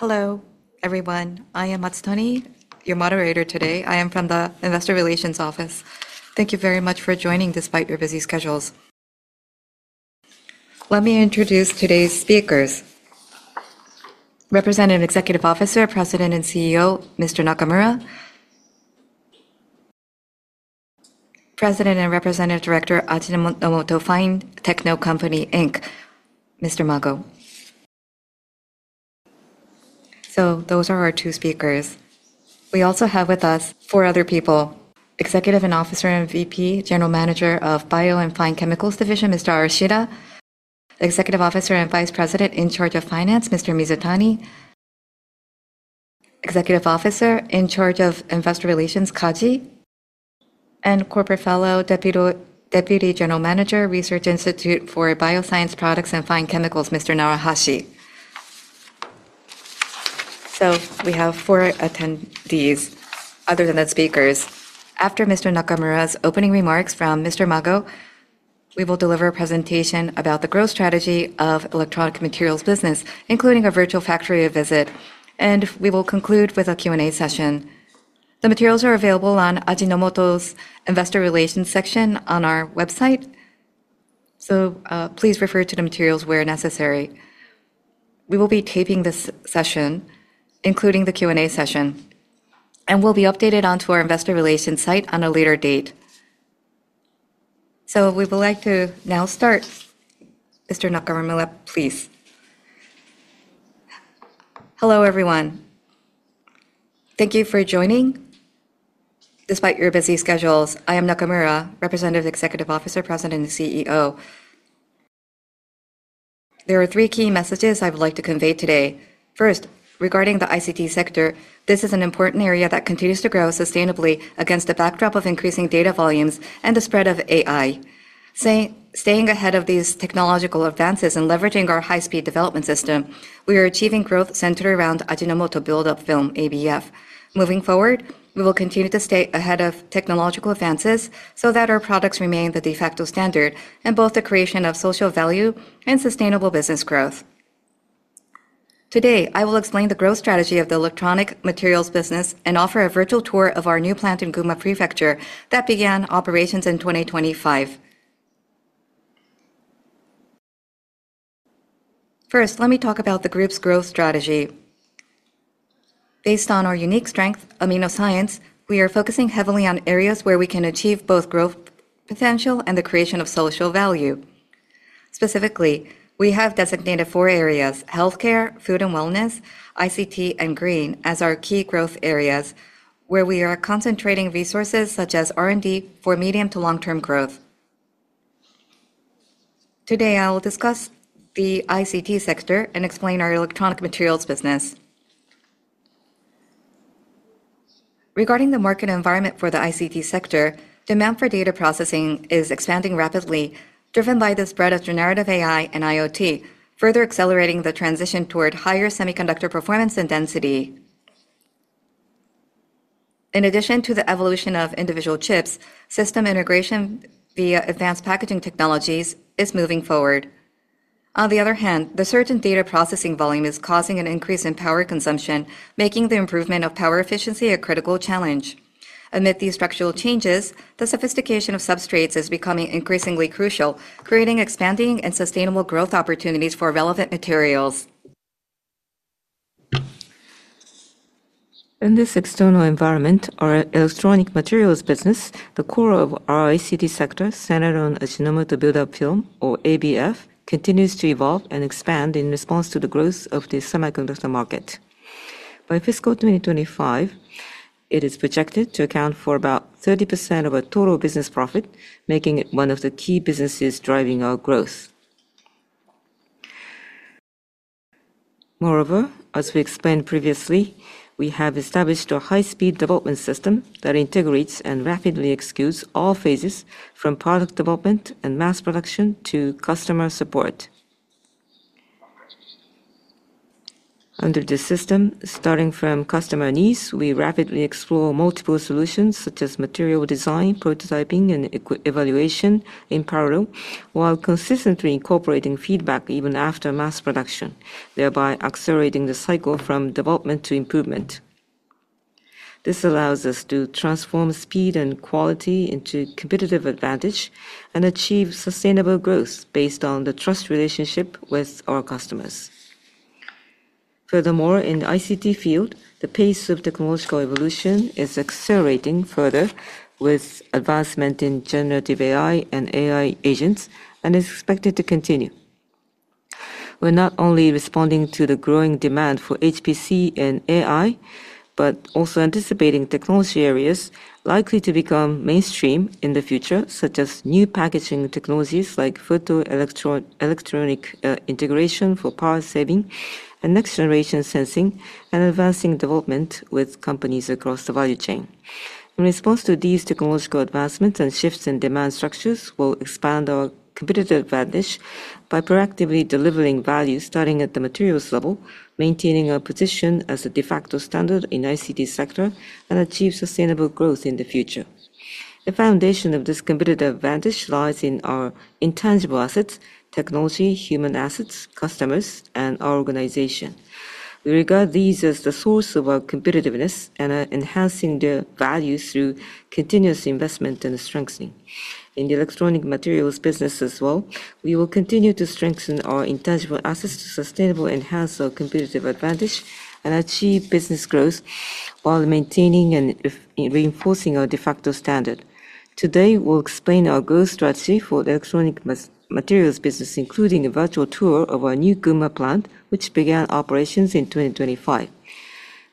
Hello, everyone. I am Matsutoni, your moderator today. I am from the Investor Relations office. Thank you very much for joining despite your busy schedules. Let me introduce today's speakers. Representative Executive Officer, President and CEO, Mr. Nakamura. President and Representative Director, Ajinomoto Fine-Techno Company Inc., Mr. Mago. Those are our two speakers. We also have with us four other people, Executive Officer and Vice President, General Manager of Bio & Fine Chemicals Division, Mr. Arashida, Executive Officer and Vice President in charge of Finance, Mr. Mizutani, Executive Officer in charge of Investor Relations, Kaji, and Corporate Fellow, Deputy General Manager, Research Institute for Bioscience Products and Fine Chemicals, Mr. Narahashi. We have four attendees other than the speakers. After Mr. Nakamura's opening remarks from Mr. Mago, we will deliver a presentation about the growth strategy of electronic materials business, including a virtual factory visit, and we will conclude with a Q&A session. The materials are available on Ajinomoto's investor relations section on our website. Please refer to the materials where necessary. We will be taping this session, including the Q&A session, and will be updated onto our investor relations site on a later date. We would like to now start. Mr. Nakamura, please. Hello, everyone. Thank you for joining despite your busy schedules. I am Nakamura, Representative Executive Officer, President and CEO. There are three key messages I would like to convey today. First, regarding the ICT sector, this is an important area that continues to grow sustainably against the backdrop of increasing data volumes and the spread of AI. Staying ahead of these technological advances and leveraging our high-speed development system, we are achieving growth centered around Ajinomoto Build-Up Film, ABF. Moving forward, we will continue to stay ahead of technological advances so that our products remain the de facto standard in both the creation of social value and sustainable business growth. Today, I will explain the growth strategy of the electronic materials business and offer a virtual tour of our new plant in Gunma Prefecture that began operations in 2025. First, let me talk about the group's growth strategy. Based on our unique strength, AminoScience, we are focusing heavily on areas where we can achieve both growth potential and the creation of social value. Specifically, we have designated four areas: healthcare, food and wellness, ICT, and green as our key growth areas, where we are concentrating resources such as R&D for medium to long-term growth. Today, I will discuss the ICT sector and explain our electronic materials business. Regarding the market environment for the ICT sector, demand for data processing is expanding rapidly, driven by the spread of generative AI and IoT, further accelerating the transition toward higher semiconductor performance and density. In addition to the evolution of individual chips, system integration via advanced packaging technologies is moving forward. On the other hand, the surge in data processing volume is causing an increase in power consumption, making the improvement of power efficiency a critical challenge. Amid these structural changes, the sophistication of substrates is becoming increasingly crucial, creating expanding and sustainable growth opportunities for relevant materials. In this external environment, our electronic materials business, the core of our ICT sector, centered on Ajinomoto Build-Up Film, or ABF, continues to evolve and expand in response to the growth of the semiconductor market. By FY 2025, it is projected to account for about 30% of our total business profit, making it one of the key businesses driving our growth. As we explained previously, we have established a high-speed development system that integrates and rapidly executes all phases from product development and mass production to customer support. Under this system, starting from customer needs, we rapidly explore multiple solutions such as material design, prototyping, and evaluation in parallel, while consistently incorporating feedback even after mass production, thereby accelerating the cycle from development to improvement. This allows us to transform speed and quality into competitive advantage and achieve sustainable growth based on the trust relationship with our customers. In the ICT field, the pace of technological evolution is accelerating further with advancement in generative AI and AI agents and is expected to continue. We are not only responding to the growing demand for HPC and AI but also anticipating technology areas likely to become mainstream in the future, such as new packaging technologies like photonic-electronic integration for power saving and next generation sensing, and advancing development with companies across the value chain. In response to these technological advancements and shifts in demand structures, we will expand our competitive advantage by proactively delivering value starting at the materials level, maintaining our position as a de facto standard in ICT sector, and achieve sustainable growth in the future. The foundation of this competitive advantage lies in our intangible assets, technology, human assets, customers, and our organization. We regard these as the source of our competitiveness and are enhancing their value through continuous investment and strengthening. In the electronic materials business as well, we will continue to strengthen our intangible assets to sustainable enhance our competitive advantage and achieve business growth while maintaining and reinforcing our de facto standard. Today, we will explain our growth strategy for the electronic materials business, including a virtual tour of our new Gunma plant, which began operations in 2025.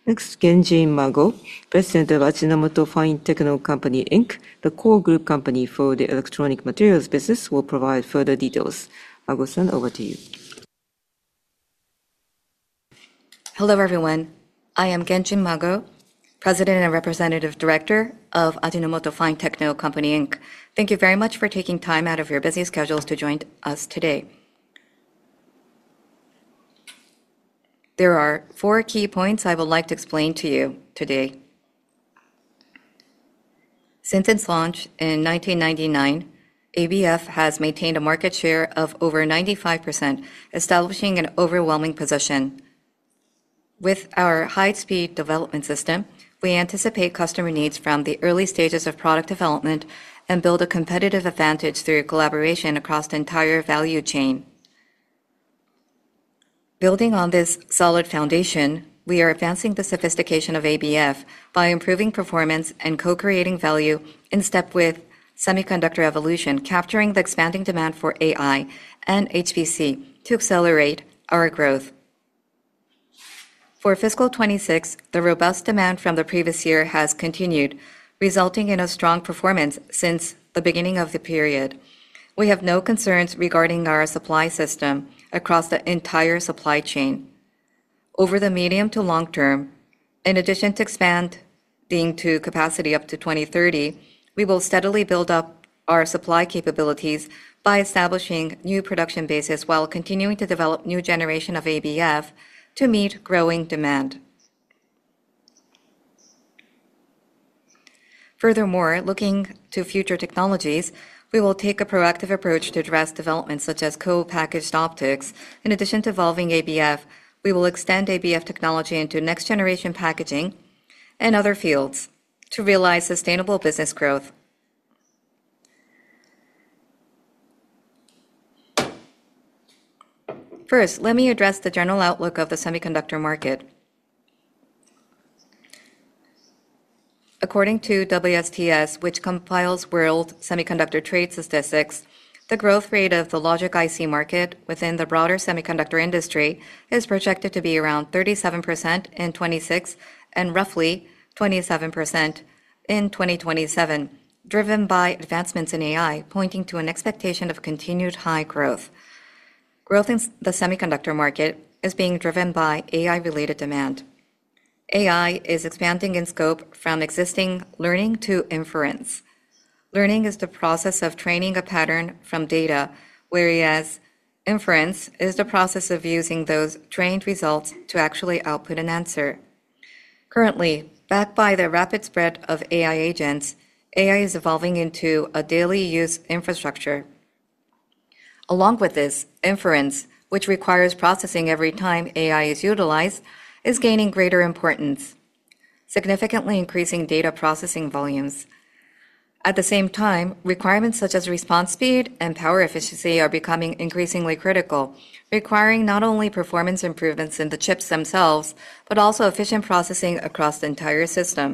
Next, Genjin Mago, President of Ajinomoto Fine-Techno Co., Inc., the core group company for the electronic materials business, will provide further details. Mago-san, over to you. Hello, everyone. I am Genjin Mago, President and Representative Director of Ajinomoto Fine-Techno Co., Inc. Thank you very much for taking time out of your busy schedules to join us today. There are four key points I would like to explain to you today. Since its launch in 1999, ABF has maintained a market share of over 95%, establishing an overwhelming position. With our high-speed development system, we anticipate customer needs from the early stages of product development and build a competitive advantage through collaboration across the entire value chain. Building on this solid foundation, we are advancing the sophistication of ABF by improving performance and co-creating value in step with semiconductor evolution, capturing the expanding demand for AI and HPC to accelerate our growth. For FY 2026, the robust demand from the previous year has continued, resulting in a strong performance since the beginning of the period. We have no concerns regarding our supply system across the entire supply chain. Over the medium to long term, in addition to expanding capacity up to 2030, we will steadily build up our supply capabilities by establishing new production bases while continuing to develop new generation of ABF to meet growing demand. Furthermore, looking to future technologies, we will take a proactive approach to address developments such as co-packaged optics. In addition to evolving ABF, we will extend ABF technology into next generation packaging and other fields to realize sustainable business growth. First, let me address the general outlook of the semiconductor market. According to WSTS, which compiles world semiconductor trade statistics, the growth rate of the logic IC market within the broader semiconductor industry is projected to be around 37% in 2026 and roughly 27% in 2027, driven by advancements in AI, pointing to an expectation of continued high growth. Growth in the semiconductor market is being driven by AI-related demand. AI is expanding in scope from existing learning to inference. Learning is the process of training a pattern from data, whereas inference is the process of using those trained results to actually output an answer. Currently, backed by the rapid spread of AI agents, AI is evolving into a daily use infrastructure. Along with this inference, which requires processing every time AI is utilized, is gaining greater importance, significantly increasing data processing volumes. At the same time, requirements such as response speed and power efficiency are becoming increasingly critical, requiring not only performance improvements in the chips themselves, but also efficient processing across the entire system.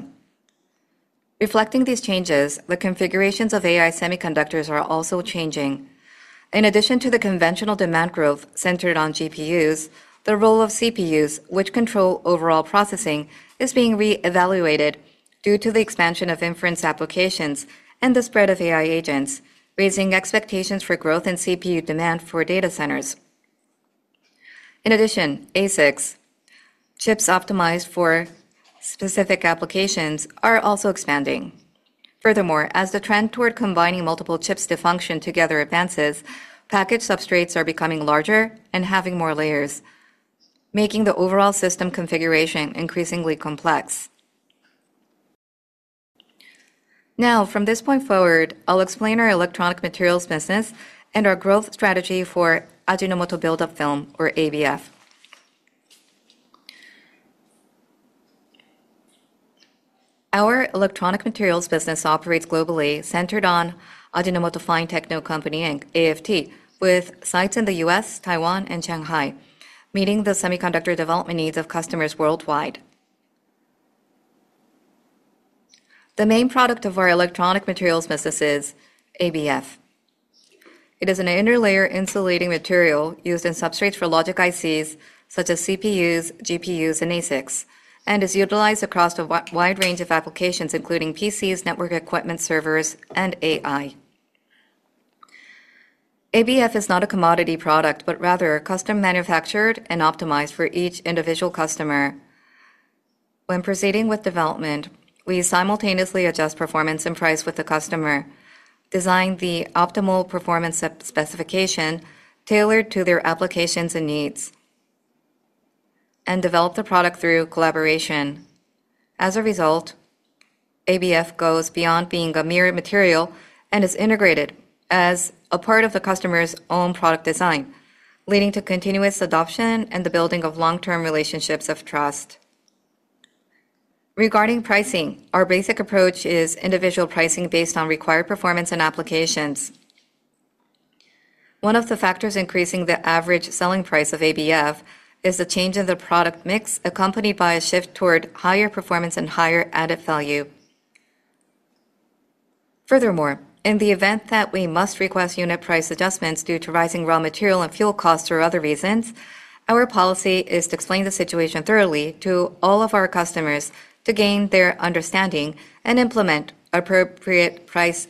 Reflecting these changes, the configurations of AI semiconductors are also changing. In addition to the conventional demand growth centered on GPUs, the role of CPUs, which control overall processing, is being re-evaluated due to the expansion of inference applications and the spread of AI agents, raising expectations for growth in CPU demand for data centers. In addition, ASICs, chips optimized for specific applications, are also expanding. Furthermore, as the trend toward combining multiple chips to function together advances, package substrates are becoming larger and having more layers, making the overall system configuration increasingly complex. From this point forward, I'll explain our electronic materials business and our growth strategy for Ajinomoto Build-Up Film or ABF. Our electronic materials business operates globally centered on Ajinomoto Fine-Techno Co., Inc., AFT, with sites in the U.S., Taiwan, and Shanghai, meeting the semiconductor development needs of customers worldwide. The main product of our electronic materials business is ABF. It is an interlayer insulating material used in substrates for logic ICs such as CPUs, GPUs, and ASICs, and is utilized across a wide range of applications, including PCs, network equipment, servers, and AI. ABF is not a commodity product, but rather custom manufactured and optimized for each individual customer. When proceeding with development, we simultaneously adjust performance and price with the customer, design the optimal performance specification tailored to their applications and needs, and develop the product through collaboration. As a result, ABF goes beyond being a mere material and is integrated as a part of the customer's own product design, leading to continuous adoption and the building of long-term relationships of trust. Regarding pricing, our basic approach is individual pricing based on required performance and applications. One of the factors increasing the average selling price of ABF is the change in the product mix, accompanied by a shift toward higher performance and higher added value. In the event that we must request unit price adjustments due to rising raw material and fuel costs or other reasons, our policy is to explain the situation thoroughly to all of our customers to gain their understanding and implement appropriate price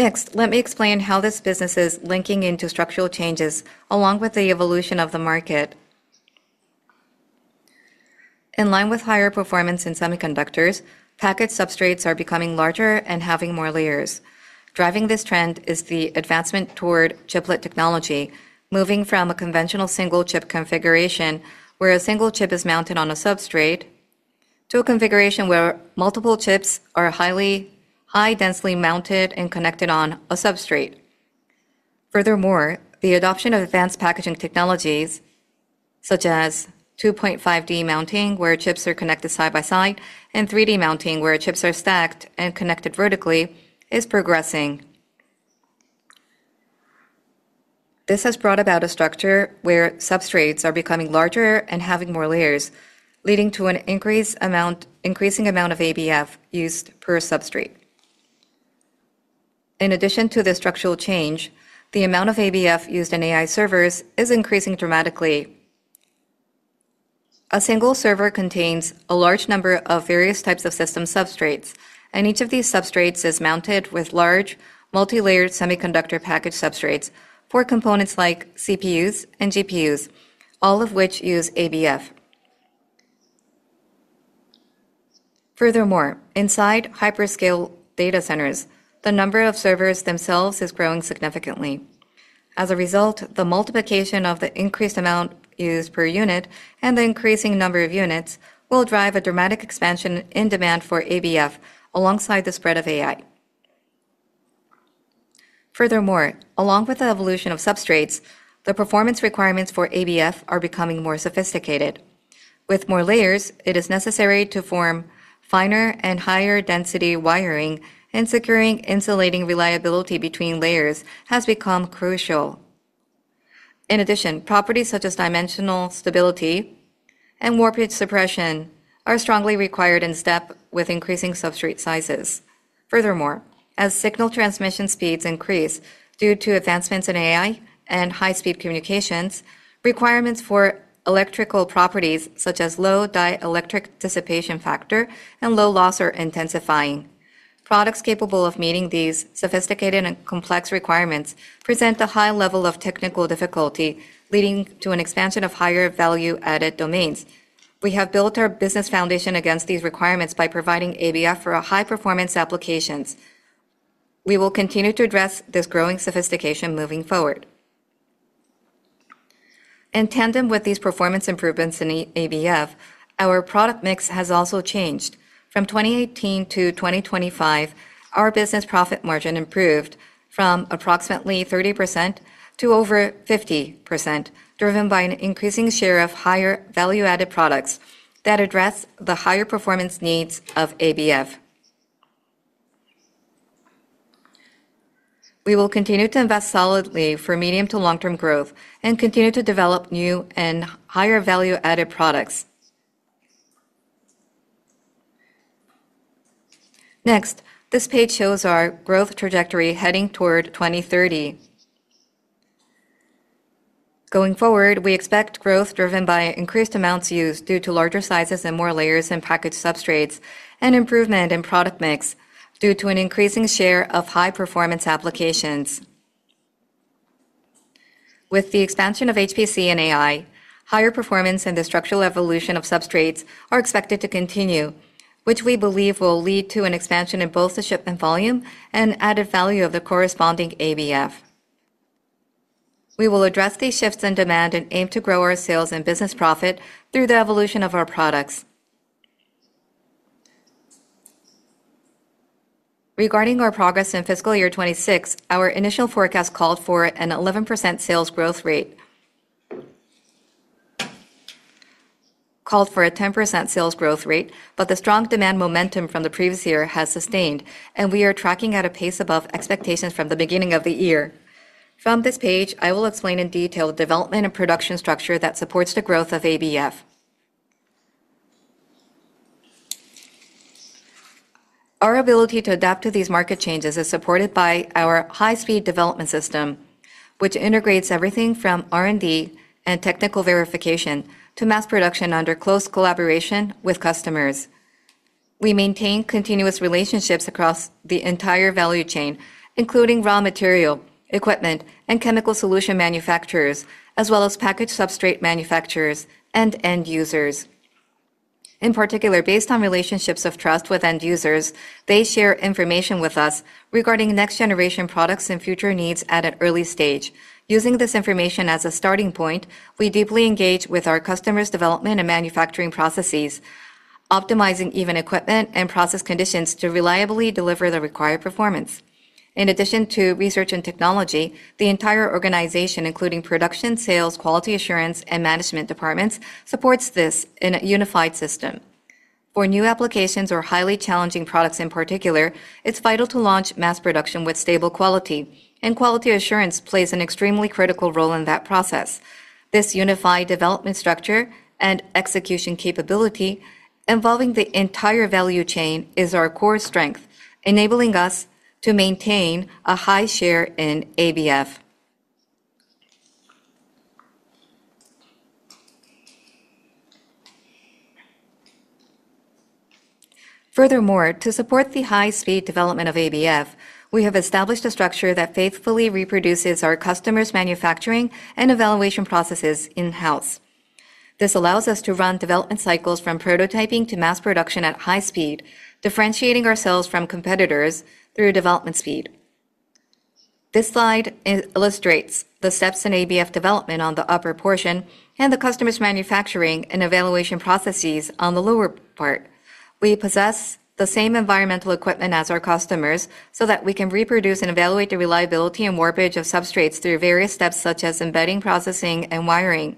pass-throughs. Let me explain how this business is linking into structural changes along with the evolution of the market. In line with higher performance in semiconductors, package substrates are becoming larger and having more layers. Driving this trend is the advancement toward chiplet technology, moving from a conventional single-chip configuration where a single chip is mounted on a substrate, to a configuration where multiple chips are high densely mounted and connected on a substrate. The adoption of advanced packaging technologies such as 2.5D mounting, where chips are connected side by side, and 3D mounting, where chips are stacked and connected vertically, is progressing. This has brought about a structure where substrates are becoming larger and having more layers, leading to an increasing amount of ABF used per substrate. In addition to the structural change, the amount of ABF used in AI servers is increasing dramatically. A single server contains a large number of various types of system substrates, and each of these substrates is mounted with large multi-layered semiconductor package substrates for components like CPUs and GPUs, all of which use ABF. Inside hyperscale data centers, the number of servers themselves is growing significantly. As a result, the multiplication of the increased amount used per unit and the increasing number of units will drive a dramatic expansion in demand for ABF alongside the spread of AI. Along with the evolution of substrates, the performance requirements for ABF are becoming more sophisticated. With more layers, it is necessary to form finer and higher density wiring, and securing insulating reliability between layers has become crucial. In addition, properties such as dimensional stability and warpage suppression are strongly required in step with increasing substrate sizes. As signal transmission speeds increase due to advancements in AI and high-speed communications, requirements for electrical properties such as low dielectric dissipation factor and low loss are intensifying. Products capable of meeting these sophisticated and complex requirements present a high level of technical difficulty, leading to an expansion of higher value-added domains. We have built our business foundation against these requirements by providing ABF for our high-performance applications. We will continue to address this growing sophistication moving forward. In tandem with these performance improvements in ABF, our product mix has also changed. From 2018 to 2025, our business profit margin improved from approximately 30% to over 50%, driven by an increasing share of higher value-added products that address the higher performance needs of ABF. We will continue to invest solidly for medium to long-term growth and continue to develop new and higher value-added products. This page shows our growth trajectory heading toward 2030. Going forward, we expect growth driven by increased amounts used due to larger sizes and more layers in package substrates, and improvement in product mix due to an increasing share of high-performance applications. With the expansion of HPC and AI, higher performance and the structural evolution of substrates are expected to continue, which we believe will lead to an expansion in both the shipment volume and added value of the corresponding ABF. We will address these shifts in demand and aim to grow our sales and business profit through the evolution of our products. Regarding our progress in fiscal year 2026, our initial forecast called for a 10% sales growth rate, but the strong demand momentum from the previous year has sustained, and we are tracking at a pace above expectations from the beginning of the year. From this page, I will explain in detail the development and production structure that supports the growth of ABF. Our ability to adapt to these market changes is supported by our high-speed development system, which integrates everything from R&D and technical verification to mass production under close collaboration with customers. We maintain continuous relationships across the entire value chain, including raw material, equipment, and chemical solution manufacturers, as well as package substrate manufacturers and end users. In particular, based on relationships of trust with end users, they share information with us regarding next-generation products and future needs at an early stage. Using this information as a starting point, we deeply engage with our customers' development and manufacturing processes, optimizing even equipment and process conditions to reliably deliver the required performance. In addition to research and technology, the entire organization, including production, sales, quality assurance, and management departments, supports this in a unified system. For new applications or highly challenging products in particular, it's vital to launch mass production with stable quality, and quality assurance plays an extremely critical role in that process. This unified development structure and execution capability involving the entire value chain is our core strength, enabling us to maintain a high share in ABF. Furthermore, to support the high-speed development of ABF, we have established a structure that faithfully reproduces our customers' manufacturing and evaluation processes in-house. This allows us to run development cycles from prototyping to mass production at high speed, differentiating ourselves from competitors through development speed. This slide illustrates the steps in ABF development on the upper portion and the customers' manufacturing and evaluation processes on the lower part. We possess the same environmental equipment as our customers, so that we can reproduce and evaluate the reliability and warpage of substrates through various steps, such as embedding, processing, and wiring.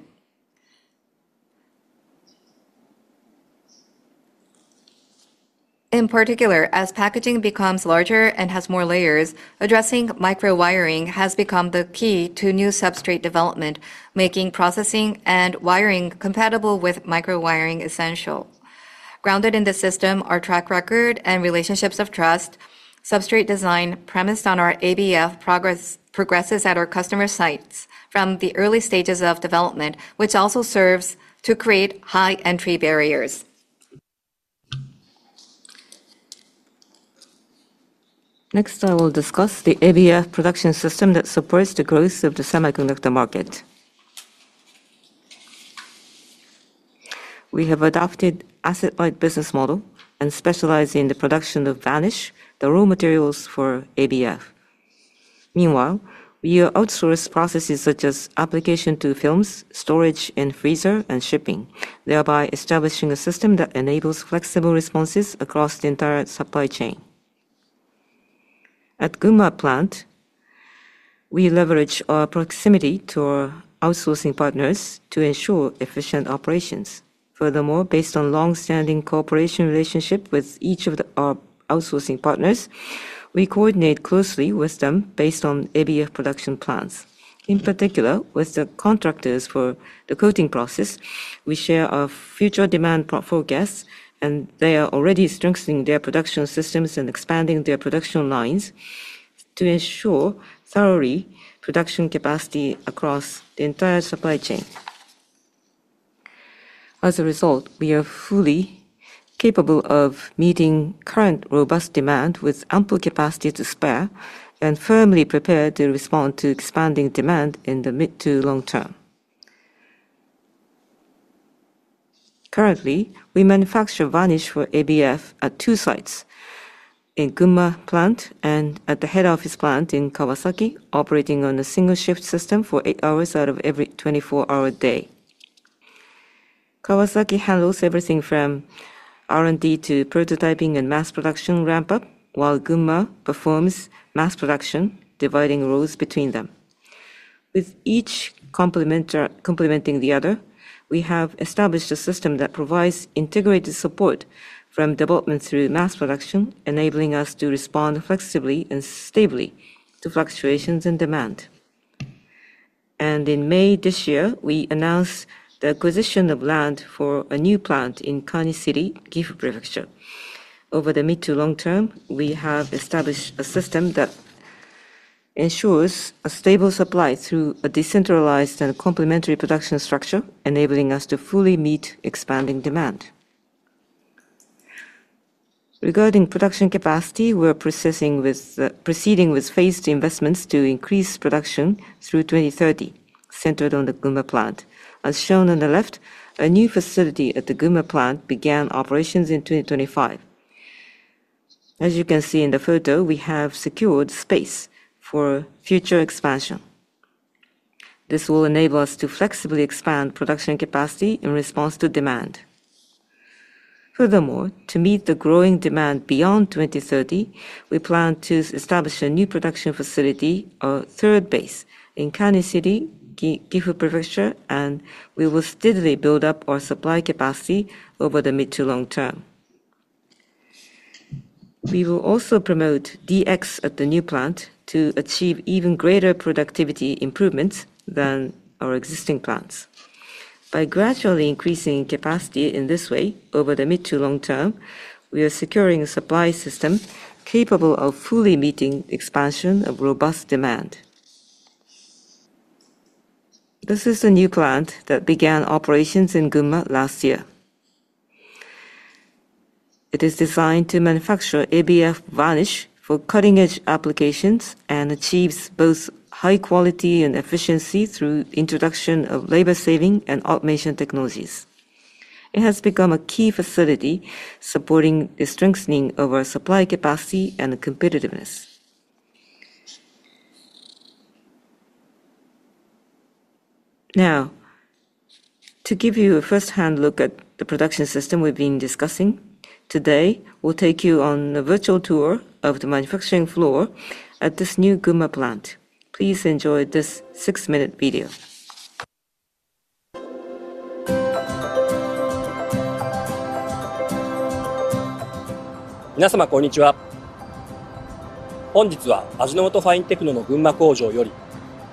In particular, as packaging becomes larger and has more layers, addressing micro wiring has become the key to new substrate development, making processing and wiring compatible with micro wiring essential. Grounded in the system, our track record, and relationships of trust, substrate design premised on our ABF progresses at our customer sites from the early stages of development, which also serves to create high entry barriers. Next, I will discuss the ABF production system that supports the growth of the semiconductor market. We have adopted asset-light business model and specialize in the production of varnish, the raw materials for ABF. Meanwhile, we outsource processes such as application to films, storage and freezer, and shipping, thereby establishing a system that enables flexible responses across the entire supply chain. At Gunma Plant, we leverage our proximity to our outsourcing partners to ensure efficient operations. Furthermore, based on longstanding cooperation relationship with each of our outsourcing partners, we coordinate closely with them based on ABF production plans. In particular, with the contractors for the coating process, we share our future demand forecasts, and they are already strengthening their production systems and expanding their production lines to ensure thorough production capacity across the entire supply chain. As a result, we are fully capable of meeting current robust demand with ample capacity to spare and firmly prepared to respond to expanding demand in the mid to long term. Currently, we manufacture varnish for ABF at two sites, in Gunma Plant and at the head office plant in Kawasaki, operating on a single shift system for eight hours out of every 24-hour day. Kawasaki handles everything from R&D to prototyping and mass production ramp-up, while Gunma performs mass production, dividing roles between them. With each complementing the other, we have established a system that provides integrated support from development through mass production, enabling us to respond flexibly and stably to fluctuations in demand. In May this year, we announced the acquisition of land for a new plant in Kani City, Gifu Prefecture. Over the mid to long term, we have established a system that ensures a stable supply through a decentralized and complementary production structure, enabling us to fully meet expanding demand. Regarding production capacity, we're proceeding with phased investments to increase production through 2030, centered on the Gunma Plant. As shown on the left, a new facility at the Gunma Plant began operations in 2025. As you can see in the photo, we have secured space for future expansion. This will enable us to flexibly expand production capacity in response to demand. Furthermore, to meet the growing demand beyond 2030, we plan to establish a new production facility, our third base in Kani City, Gifu Prefecture, and we will steadily build up our supply capacity over the mid to long term. We will also promote DX at the new plant to achieve even greater productivity improvements than our existing plants. By gradually increasing capacity in this way over the mid to long term, we are securing a supply system capable of fully meeting expansion of robust demand. This is the new plant that began operations in Gunma last year. It is designed to manufacture ABF varnish for cutting-edge applications and achieves both high quality and efficiency through the introduction of labor-saving and automation technologies. It has become a key facility supporting the strengthening of our supply capacity and competitiveness. Now, to give you a first-hand look at the production system we've been discussing, today we'll take you on a virtual tour of the manufacturing floor at this new Gunma Plant. Please enjoy this six-minute video. 皆さま、こんにちは。本日はAjinomoto Fine-Techno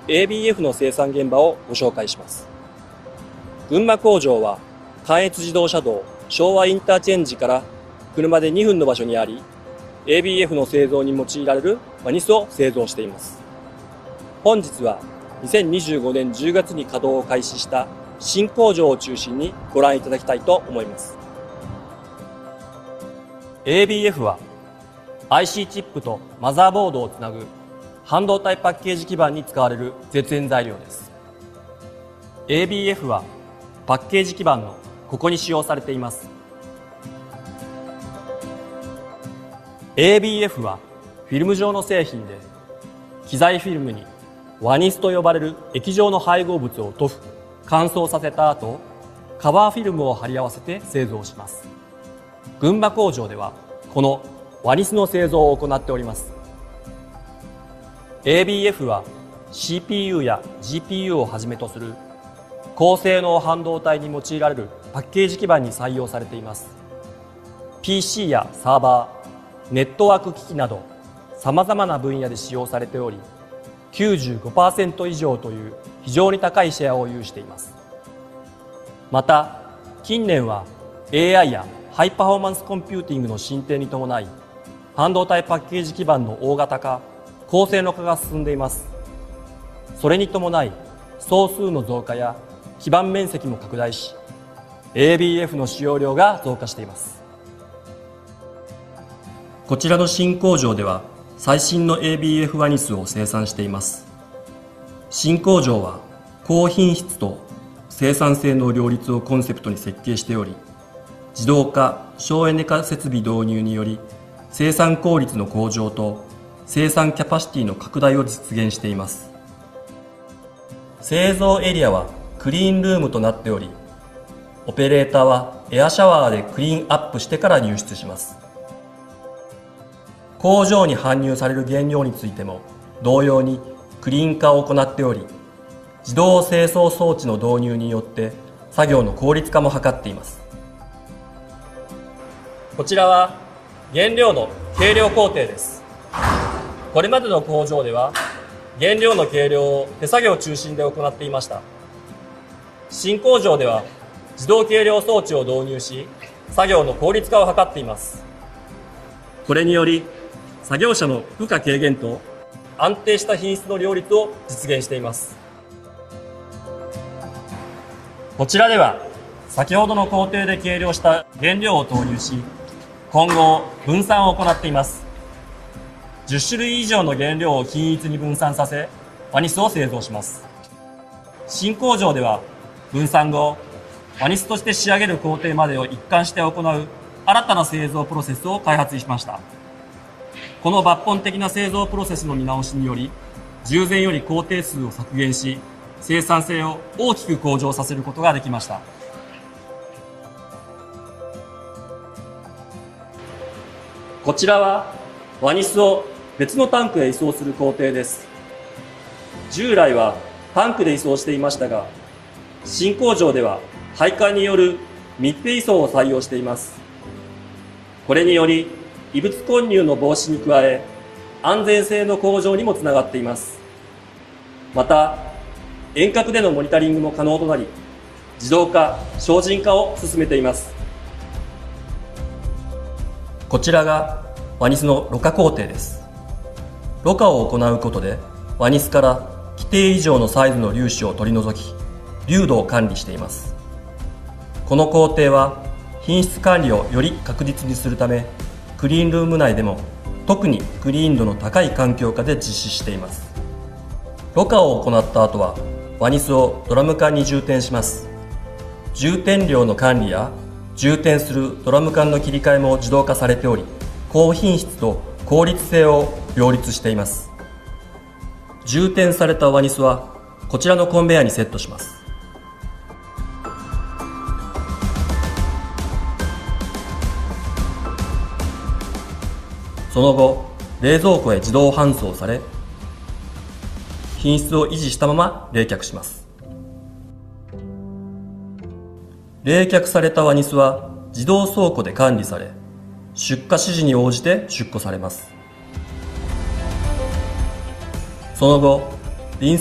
Thank you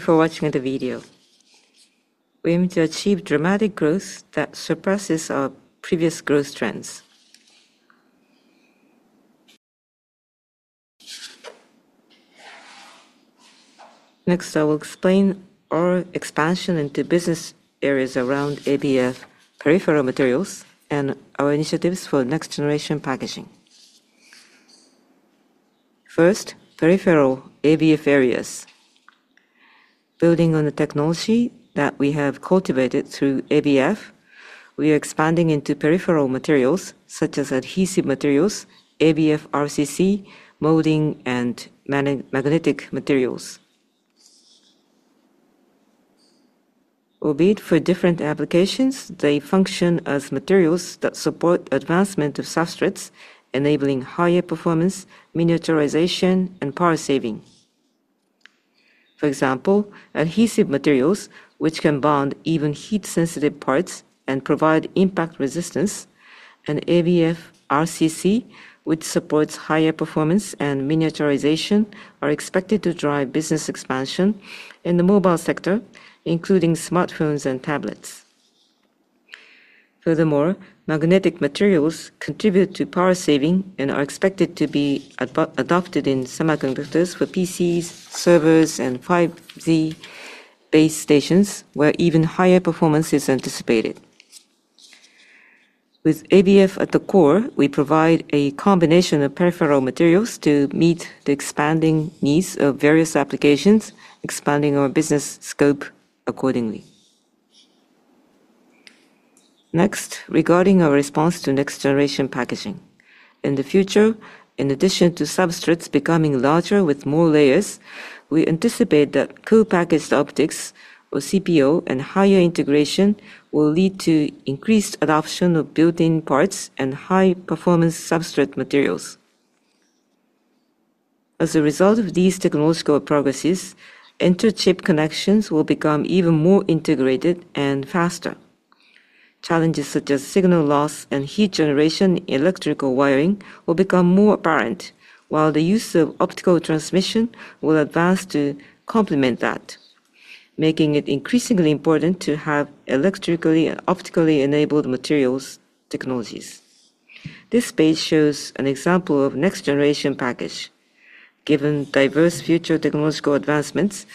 for watching the video. We aim to achieve dramatic growth that surpasses our previous growth trends. I will explain our expansion into business areas around ABF peripheral materials and our initiatives for next-generation packaging. Peripheral ABF areas. Building on the technology that we have cultivated through ABF, we are expanding into peripheral materials such as adhesive materials, ABF RCC, molding, and magnetic materials. Albeit for different applications, they function as materials that support advancement of substrates, enabling higher performance, miniaturization, and power saving. For example, adhesive materials, which can bond even heat-sensitive parts and provide impact resistance, and ABF RCC, which supports higher performance and miniaturization, are expected to drive business expansion in the mobile sector, including smartphones and tablets. Magnetic materials contribute to power saving and are expected to be adopted in semiconductors for PCs, servers, and 5G base stations, where even higher performance is anticipated. With ABF at the core, we provide a combination of peripheral materials to meet the expanding needs of various applications, expanding our business scope accordingly. Regarding our response to next-generation packaging. In the future, in addition to substrates becoming larger with more layers, we anticipate that co-packaged optics, or CPO, and higher integration will lead to increased adoption of built-in parts and high-performance substrate materials. As a result of these technological progresses, inter-chip connections will become even more integrated and faster. Challenges such as signal loss and heat generation in electrical wiring will become more apparent, while the use of optical transmission will advance to complement that, making it increasingly important to have electrically and optically enabled materials technologies. This page shows an example of next generation package. Given diverse future technological advancements,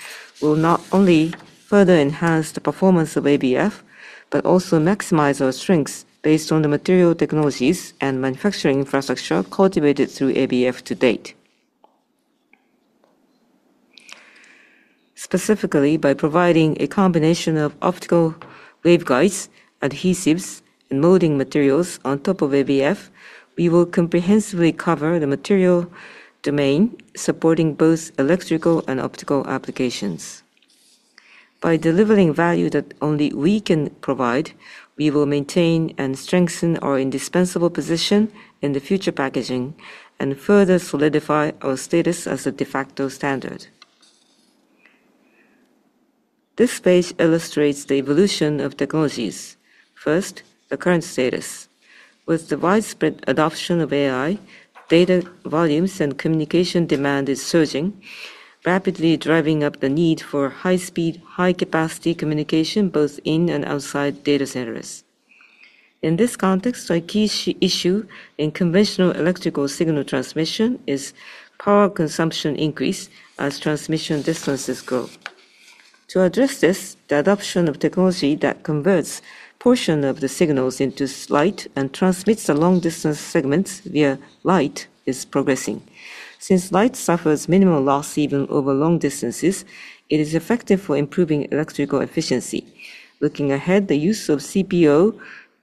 we will not only further enhance the performance of ABF, but also maximize our strengths based on the material technologies and manufacturing infrastructure cultivated through ABF to date. Specifically, by providing a combination of optical waveguides, adhesives, and molding materials on top of ABF, we will comprehensively cover the material domain, supporting both electrical and optical applications. By delivering value that only we can provide, we will maintain and strengthen our indispensable position in the future packaging and further solidify our status as a de facto standard. This page illustrates the evolution of technologies. The current status. With the widespread adoption of AI, data volumes and communication demand is surging, rapidly driving up the need for high-speed, high-capacity communication both in and outside data centers. In this context, a key issue in conventional electrical signal transmission is power consumption increase as transmission distances grow. To address this, the adoption of technology that converts portion of the signals into light and transmits the long-distance segments via light is progressing. Since light suffers minimal loss even over long distances, it is effective for improving electrical efficiency. Looking ahead, the use of CPO,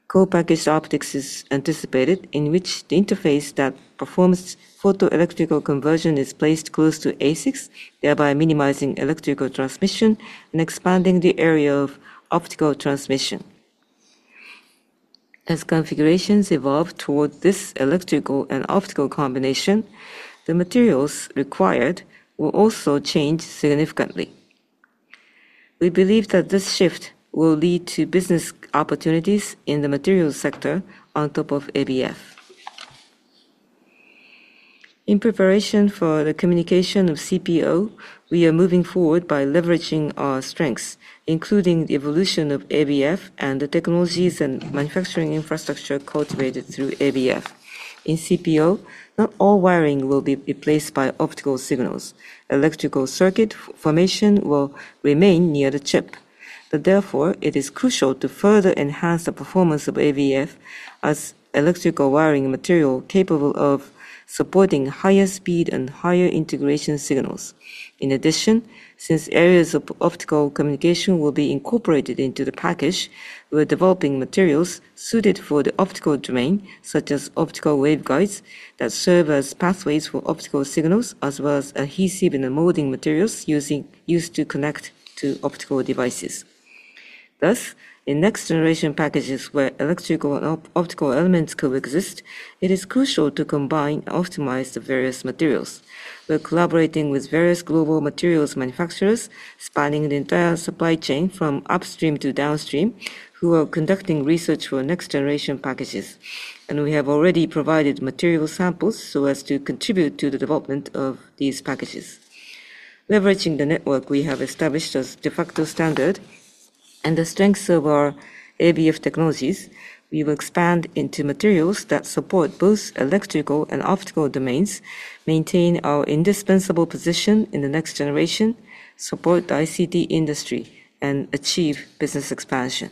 co-packaged optics, is anticipated, in which the interface that performs photo-electrical conversion is placed close to ASICs, thereby minimizing electrical transmission and expanding the area of optical transmission. Configurations evolve towards this electrical and optical combination, the materials required will also change significantly. We believe that this shift will lead to business opportunities in the materials sector on top of ABF. In preparation for the communication of CPO, we are moving forward by leveraging our strengths, including the evolution of ABF and the technologies and manufacturing infrastructure cultivated through ABF. In CPO, not all wiring will be replaced by optical signals. Electrical circuit formation will remain near the chip. Therefore, it is crucial to further enhance the performance of ABF as electrical wiring material capable of supporting higher speed and higher integration signals. In addition, since areas of optical communication will be incorporated into the package, we are developing materials suited for the optical domain, such as optical waveguides, that serve as pathways for optical signals, as well as adhesive and molding materials used to connect to optical devices. Thus, in next generation packages where electrical and optical elements coexist, it is crucial to combine and optimize the various materials. We are collaborating with various global materials manufacturers, spanning the entire supply chain from upstream to downstream, who are conducting research for next-generation packages. We have already provided material samples so as to contribute to the development of these packages. Leveraging the network we have established as de facto standard, and the strengths of our ABF technologies, we will expand into materials that support both electrical and optical domains, maintain our indispensable position in the next generation, support the ICT industry, and achieve business expansion.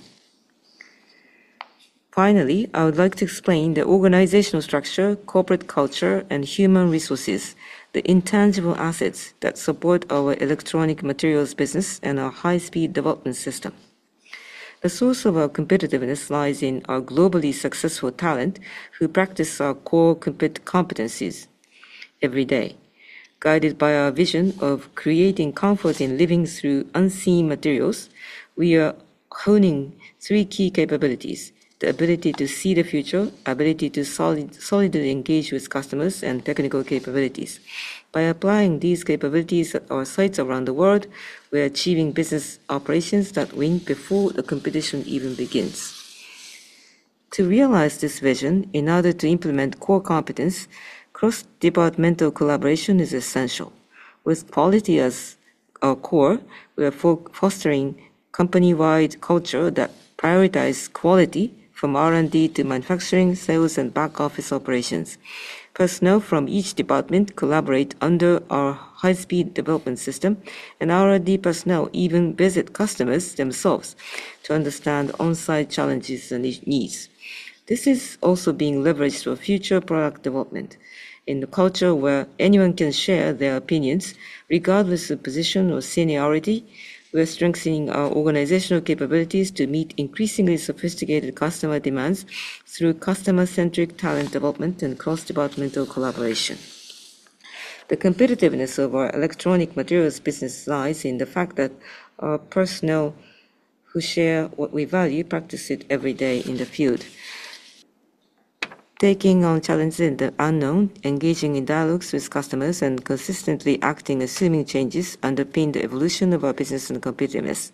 Finally, I would like to explain the organizational structure, corporate culture, and human resources, the intangible assets that support our electronic materials business, and our high-speed development system. The source of our competitiveness lies in our globally successful talent, who practice our core competencies every day. Guided by our vision of creating comfort in living through unseen materials, we are honing three key capabilities, the ability to see the future, ability to solidly engage with customers, and technical capabilities. By applying these capabilities at our sites around the world, we are achieving business operations that win before the competition even begins. To realize this vision, in order to implement core competence, cross-departmental collaboration is essential. With quality as our core, we are fostering company-wide culture that prioritize quality from R&D to manufacturing, sales, and back-office operations. Personnel from each department collaborate under our high-speed development system, and R&D personnel even visit customers themselves to understand on-site challenges and needs. This is also being leveraged for future product development. In the culture where anyone can share their opinions, regardless of position or seniority, we are strengthening our organizational capabilities to meet increasingly sophisticated customer demands through customer-centric talent development and cross-departmental collaboration. The competitiveness of our electronic materials business lies in the fact that our personnel who share what we value practice it every day in the field. Taking on challenges in the unknown, engaging in dialogues with customers, and consistently acting, assuming changes underpin the evolution of our business and competitiveness.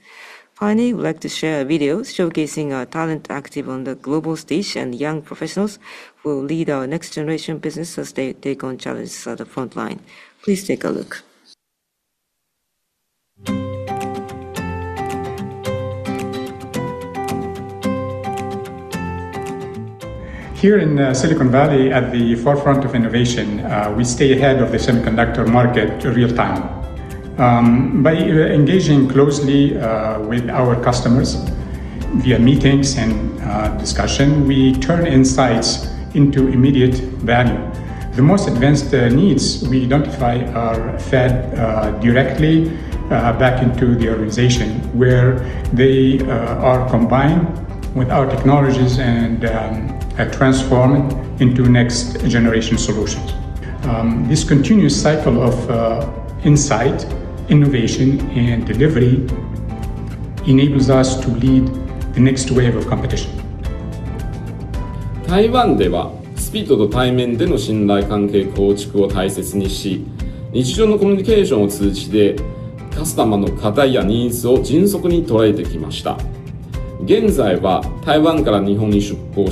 Finally, we'd like to share a video showcasing our talent active on the global stage and young professionals who will lead our next generation business as they take on challenges at the frontline. Please take a look. Here in Silicon Valley, at the forefront of innovation, we stay ahead of the semiconductor market in real time. By engaging closely with our customers via meetings and discussion, we turn insights into immediate value. The most advanced needs we identify are fed directly back into the organization, where they are combined with our technologies and transformed into next-generation solutions. This continuous cycle of insight, innovation, and delivery enables us to lead the next wave of competition. In Taiwan, we value building trust relationships face-to-face and in person. We have quickly captured customer problems and needs through everyday communication. We are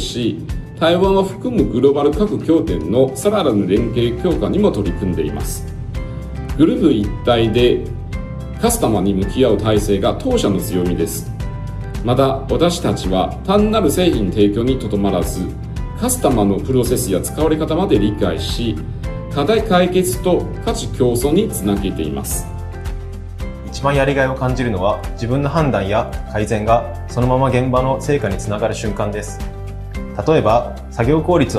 now moving from Taiwan to Japan and are working to further strengthen cooperation with all our global locations, including Taiwan. Our strength lies in our ability to face customers as a group. We not only provide products,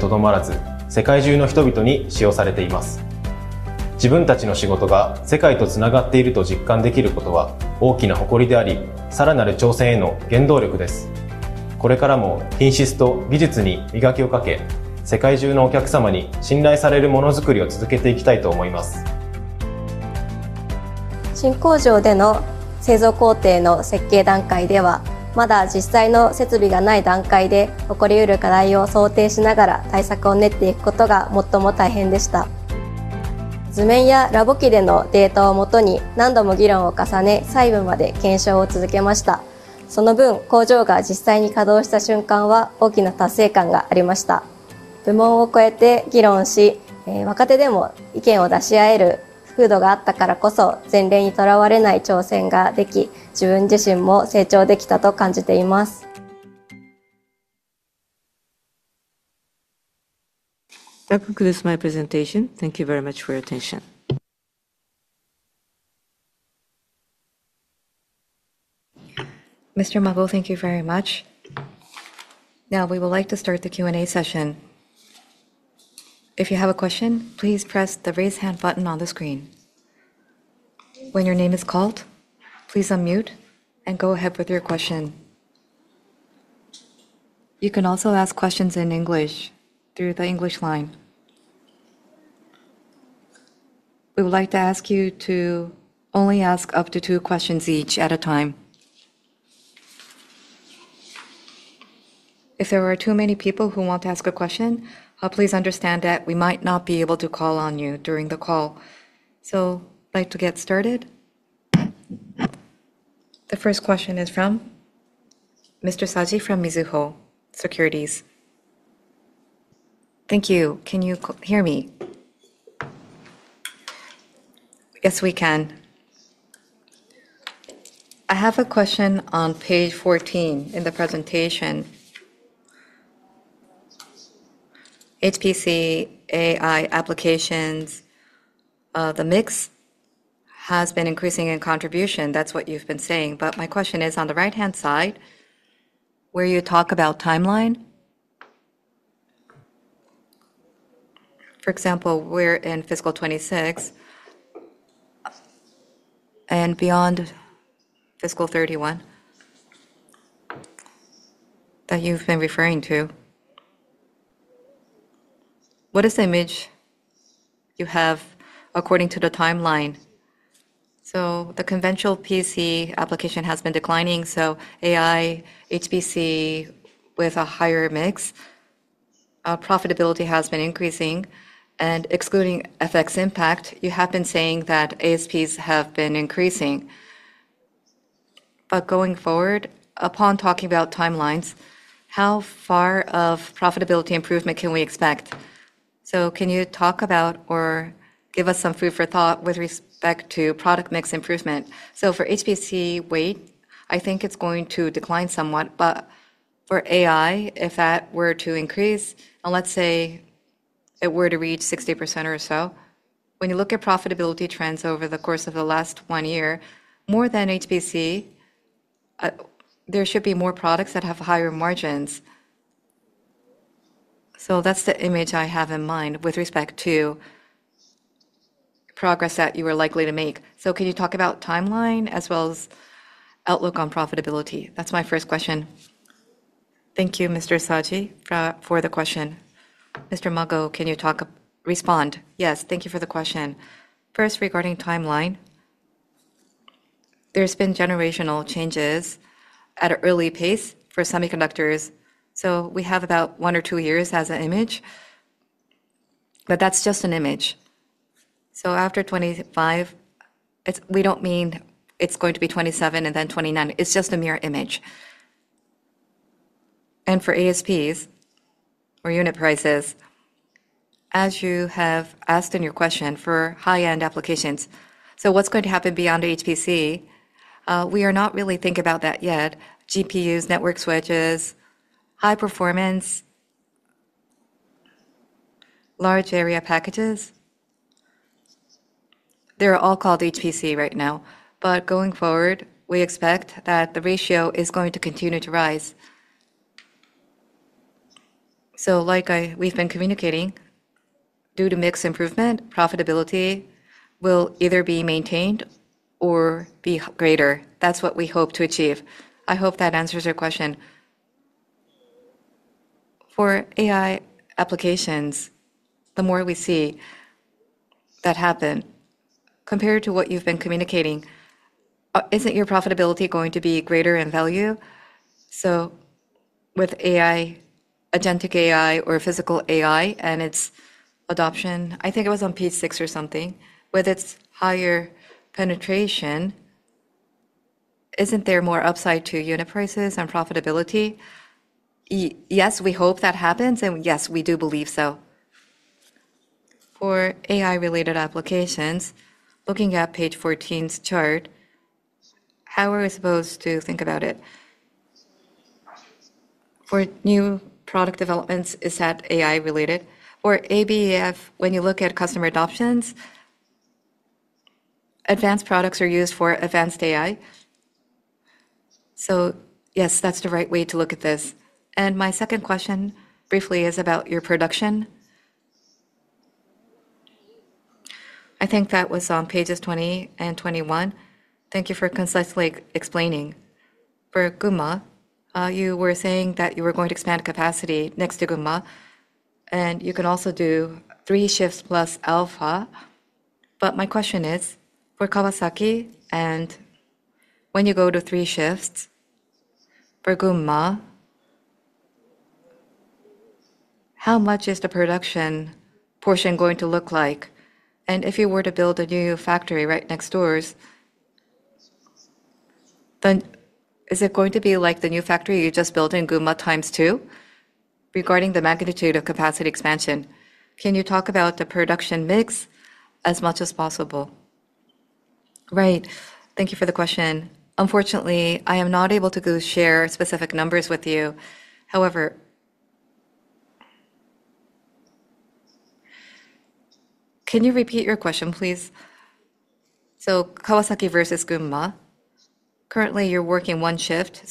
but also understand our customers' processes and how they are used, leading to problem solving and co-creation of value. The most rewarding part is the moment when my judgment or improvements directly lead to results on the ground. For example, when improvements to increase work efficiency are adopted and productivity improves, We would like to ask you to only ask up to two questions each at a time. If there are too many people who want to ask a question, please understand that we might not be able to call on you during the call. I'd like to get started. The first question is from Mr. Saji from Mizuho Securities. Thank you. Can you hear me? Yes, we can. I have a question on page 14 in the presentation. HPC AI applications, the mix has been increasing in contribution. That is what you have been saying. My question is, on the right-hand side, where you talk about timeline. For example, where in FY 2026 and beyond FY 2031 that you have been referring to. What is the image you have according to the timeline? The conventional PC application has been declining, AI, HPC with a higher mix. Profitability has been increasing and excluding FX impact, you have been saying that ASPs have been increasing. Going forward, upon talking about timelines, how far of profitability improvement can we expect? Can you talk about or give us some food for thought with respect to product mix improvement? For HPC weight, I think it is going to decline somewhat. For AI, if that were to increase, and let us say it were to reach 60% or so, when you look at profitability trends over the course of the last one year, more than HPC, there should be more products that have higher margins. That is the image I have in mind with respect to progress that you are likely to make. Can you talk about timeline as well as outlook on profitability? That is my first question. Thank you, Mr. Saji, for the question. Mr. Mago, can you respond? Yes. Thank you for the question. First, regarding timeline, there has been generational changes at an early pace for semiconductors. We have about one or two years as an image, but that is just an image. After 2025, we do not mean it is going to be 2027 and then 2029. It is just a mere image. For ASPs or unit prices, as you have asked in your question for high-end applications. What's going to happen beyond HPC? We are not really thinking about that yet. GPUs, network switches, high performance, large area packages, they're all called HPC right now. Going forward, we expect that the ratio is going to continue to rise. Like we've been communicating, due to mix improvement, profitability will either be maintained or be greater. That's what we hope to achieve. I hope that answers your question. For AI applications, the more we see that happen compared to what you've been communicating, isn't your profitability going to be greater in value? With agentic AI or physical AI and its adoption, I think it was on page six or something. With its higher penetration, isn't there more upside to unit prices and profitability? Yes, we hope that happens and yes, we do believe so. For AI-related applications, looking at page 14's chart, how are we supposed to think about it? For new product developments, is that AI related? For ABF, when you look at customer adoptions, advanced products are used for advanced AI. Yes, that's the right way to look at this. My second question briefly is about your production. I think that was on pages 20 and 21. Thank you for concisely explaining. For Gunma, you were saying that you were going to expand capacity next to Gunma, and you can also do three shifts plus alpha. My question is, for Kawasaki and when you go to three shifts for Gunma, how much is the production portion going to look like? If you were to build a new factory right next door, then is it going to be like the new factory you just built in Gunma times two? Regarding the magnitude of capacity expansion, can you talk about the production mix as much as possible? Right. Thank you for the question. Unfortunately, I am not able to share specific numbers with you. However Can you repeat your question, please? Kawasaki versus Gunma. Currently, you're working one shift.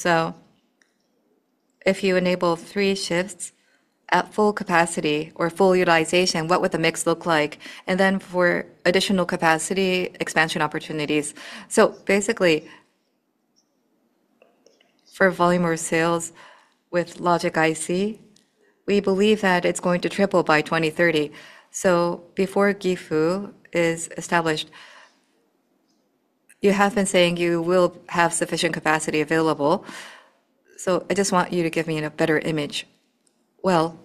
If you enable three shifts at full capacity or full utilization, what would the mix look like? Then for additional capacity expansion opportunities. Basically, for volume or sales with logic IC, we believe that it's going to triple by 2030. Before Gifu is established, you have been saying you will have sufficient capacity available. I just want you to give me a better image. Well,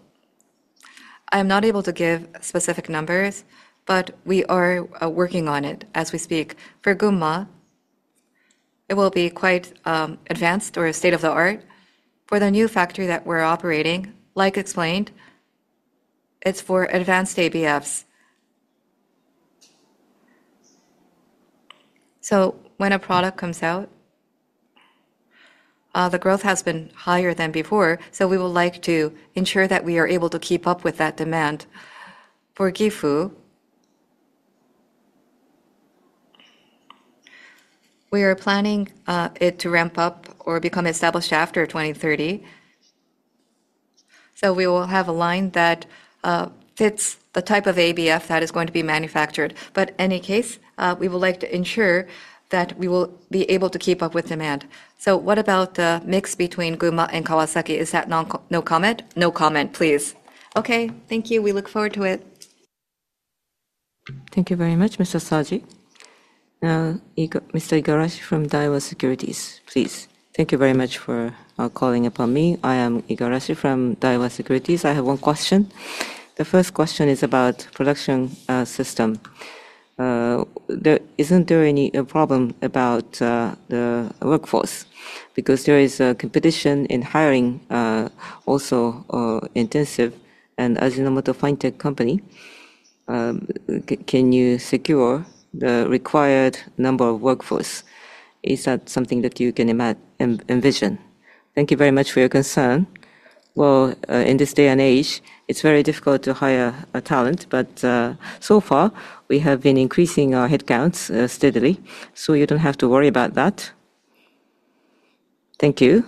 I'm not able to give specific numbers, but we are working on it as we speak. For Gunma, it will be quite advanced or state-of-the-art. For the new factory that we're operating, like explained, it's for advanced ABFs. When a product comes out, the growth has been higher than before, we would like to ensure that we are able to keep up with that demand. For Gifu, we are planning it to ramp up or become established after 2030. We will have a line that fits the type of ABF that is going to be manufactured. In any case, we would like to ensure that we will be able to keep up with demand. What about the mix between Gunma and Kawasaki? Is that no comment? No comment, please. Okay. Thank you. We look forward to it. Thank you very much, Mr. Saji. Mr. Igarashi from Daiwa Securities, please. Thank you very much for calling upon me. I am Igarashi from Daiwa Securities. I have one question. The first question is about production system. Isn't there any problem about the workforce because there is competition in hiring also intensive? Ajinomoto Fine-Techno Company, can you secure the required number of workforce? Is that something that you can envision? Thank you very much for your concern. Well, in this day and age, it's very difficult to hire talent. So far we have been increasing our headcounts steadily. You don't have to worry about that. Thank you.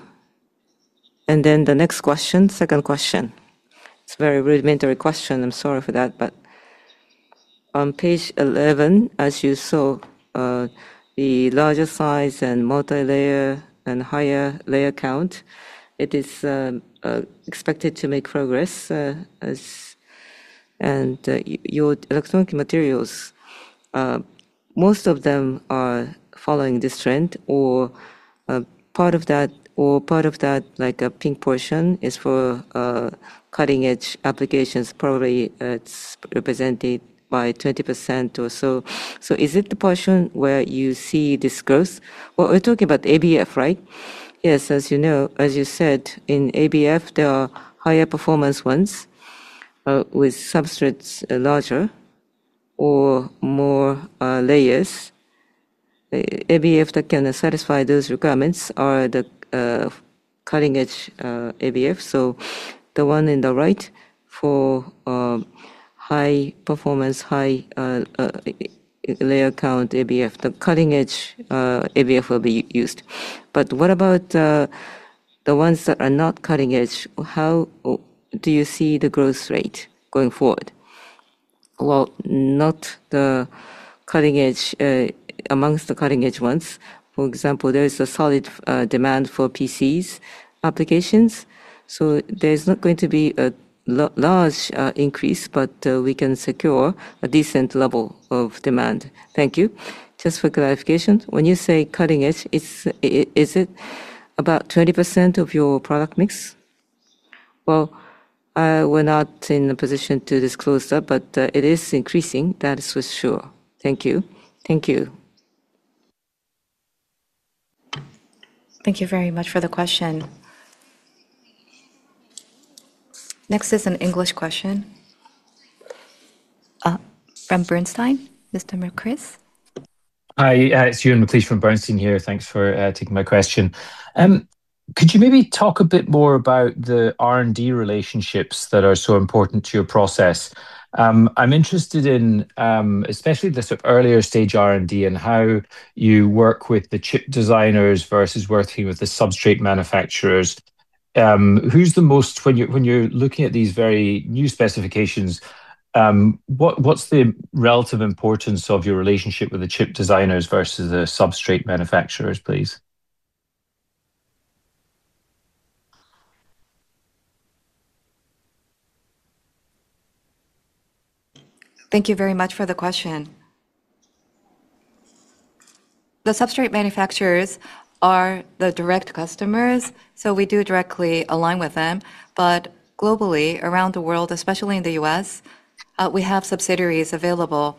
The next question, second question. It's a very rudimentary question, I'm sorry for that. On page 11, as you saw, the larger size and multilayer and higher layer count, it is expected to make progress as. Your electronic materials, most of them are following this trend or part of that like a pink portion is for cutting-edge applications. Probably it's represented by 20% or so. Is it the portion where you see this growth? Well, we're talking about ABF, right? Yes. As you said, in ABF, there are higher performance ones with substrates larger or more layers. ABF that can satisfy those requirements are the cutting-edge ABF. The one in the right for high performance, high layer count ABF. The cutting-edge ABF will be used. What about the ones that are not cutting edge? How do you see the growth rate going forward? Well, not amongst the cutting-edge ones. For example, there is a solid demand for PCs applications, so there's not going to be a large increase, but we can secure a decent level of demand. Thank you. Just for clarification, when you say cutting edge, is it about 20% of your product mix? Well, we're not in a position to disclose that, but it is increasing. That is for sure. Thank you. Thank you. Thank you very much for the question. Next is an English question from Bernstein. Mr. McLeish. Hi, it's Euan McLeish from Bernstein here. Thanks for taking my question. Could you maybe talk a bit more about the R&D relationships that are so important to your process? I'm interested in especially the sort of earlier stage R&D and how you work with the chip designers versus working with the substrate manufacturers. When you're looking at these very new specifications, what's the relative importance of your relationship with the chip designers versus the substrate manufacturers, please? Thank you very much for the question. The substrate manufacturers are the direct customers, we do directly align with them. Globally, around the world, especially in the U.S., we have subsidiaries available.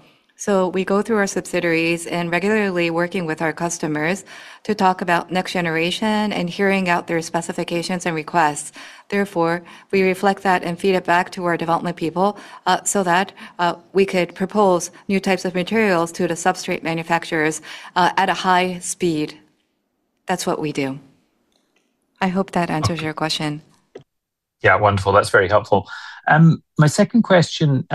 We go through our subsidiaries and regularly working with our customers to talk about next generation and hearing out their specifications and requests. We reflect that and feed it back to our development people, so that we could propose new types of materials to the substrate manufacturers at a high speed. That's what we do. I hope that answers your question. Yeah, wonderful. That's very helpful. My second question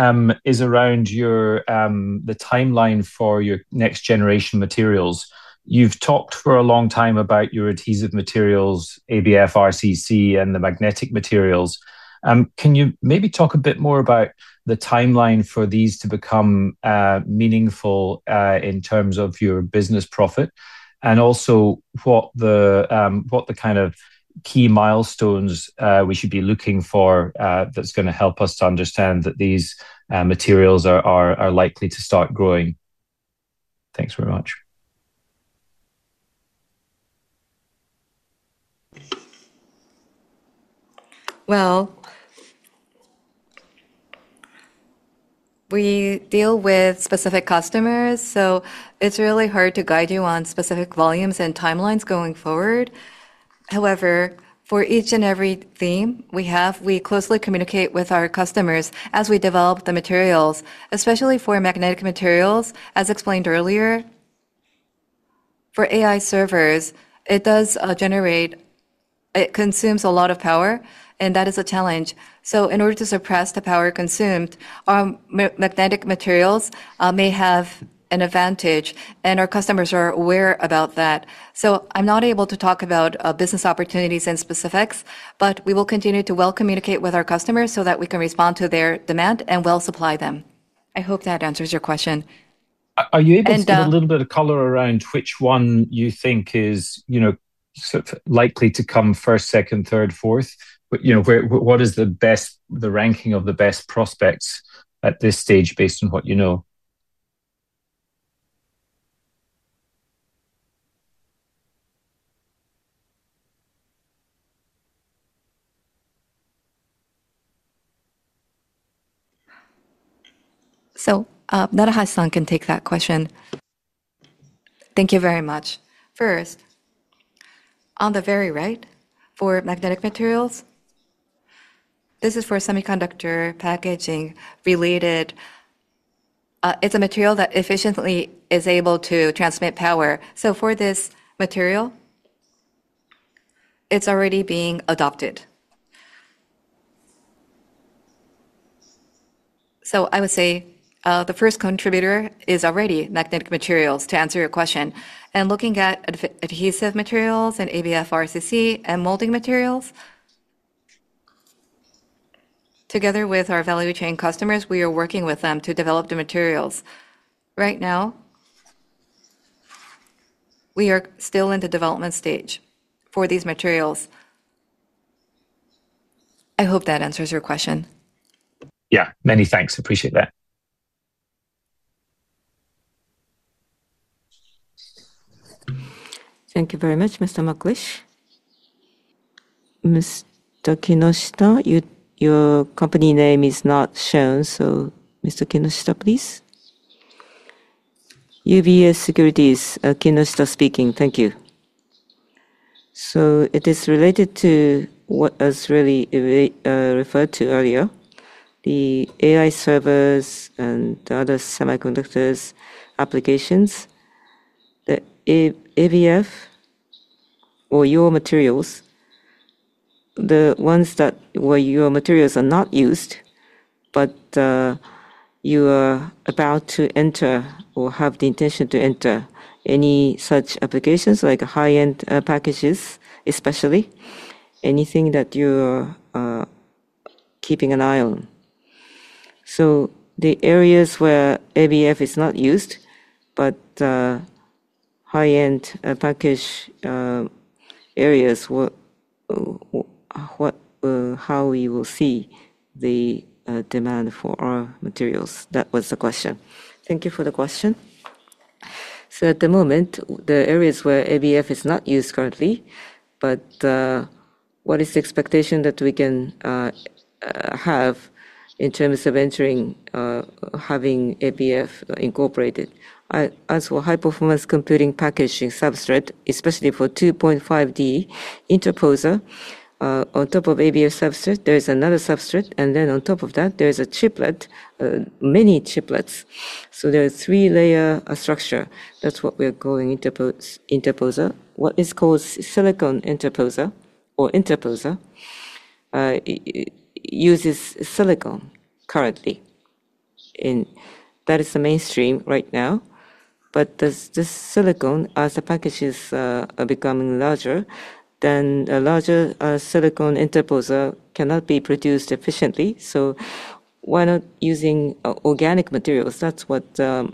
is around the timeline for your next-generation materials. You've talked for a long time about your adhesive materials, ABF, RCC, and the magnetic materials. Can you maybe talk a bit more about the timeline for these to become meaningful in terms of your business profit? What the kind of key milestones we should be looking for that's going to help us to understand that these materials are likely to start growing? Thanks very much. Well, we deal with specific customers, it's really hard to guide you on specific volumes and timelines going forward. For each and every theme we have, we closely communicate with our customers as we develop the materials, especially for magnetic materials, as explained earlier. For AI servers, it consumes a lot of power, and that is a challenge. In order to suppress the power consumed, our magnetic materials may have an advantage, and our customers are aware about that. I'm not able to talk about business opportunities and specifics, but we will continue to well communicate with our customers so that we can respond to their demand and well supply them. I hope that answers your question. Are you able to give a little bit of color around which one you think is likely to come first, second, third, fourth? What is the ranking of the best prospects at this stage based on what you know? Narahashi can take that question. Thank you very much. First, on the very right, for magnetic materials, this is for semiconductor packaging related. It's a material that efficiently is able to transmit power. For this material, it's already being adopted. I would say the first contributor is already magnetic materials, to answer your question. Looking at adhesive materials and ABF, RCC, and molding materials, together with our value chain customers, we are working with them to develop the materials. Right now, we are still in the development stage for these materials. I hope that answers your question. Many thanks. Appreciate that. Thank you very much, Mr. Makish. Mr. Kinoshita, your company name is not shown. Mr. Kinoshita, please. UBS Securities, Kinoshita speaking. Thank you. It is related to what was really referred to earlier, the AI servers and other semiconductors applications. The ABF or your materials, the ones that your materials are not used, you're about to enter or have the intention to enter any such applications like high-end packages, especially anything that you're keeping an eye on. The areas where ABF is not used, high-end package areas, how we will see the demand for our materials? That was the question. Thank you for the question. At the moment, the areas where ABF is not used currently, but what is the expectation that we can have in terms of entering having ABF incorporated? As for high-performance computing packaging substrate, especially for 2.5D interposer on top of ABF substrate, there is another substrate, and then on top of that, there is a chiplet, many chiplets. There are three layer structure. That is what we are calling interposer. What is called silicon interposer or interposer uses silicon currently, and that is the mainstream right now. This silicon, as the packages are becoming larger, then a larger silicon interposer cannot be produced efficiently. Why not using organic materials? That is what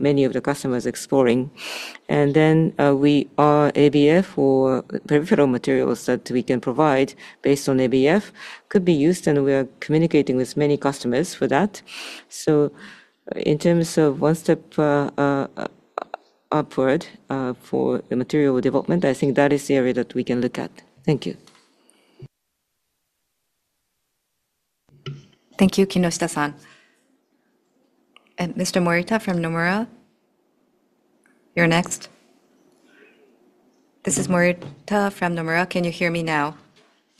many of the customers exploring. Our ABF or peripheral materials that we can provide based on ABF could be used, and we are communicating with many customers for that. In terms of one step upward for the material development, I think that is the area that we can look at. Thank you. Thank you, Kinoshita-san. Mr. Morita from Nomura, you are next. This is Morita from Nomura. Can you hear me now?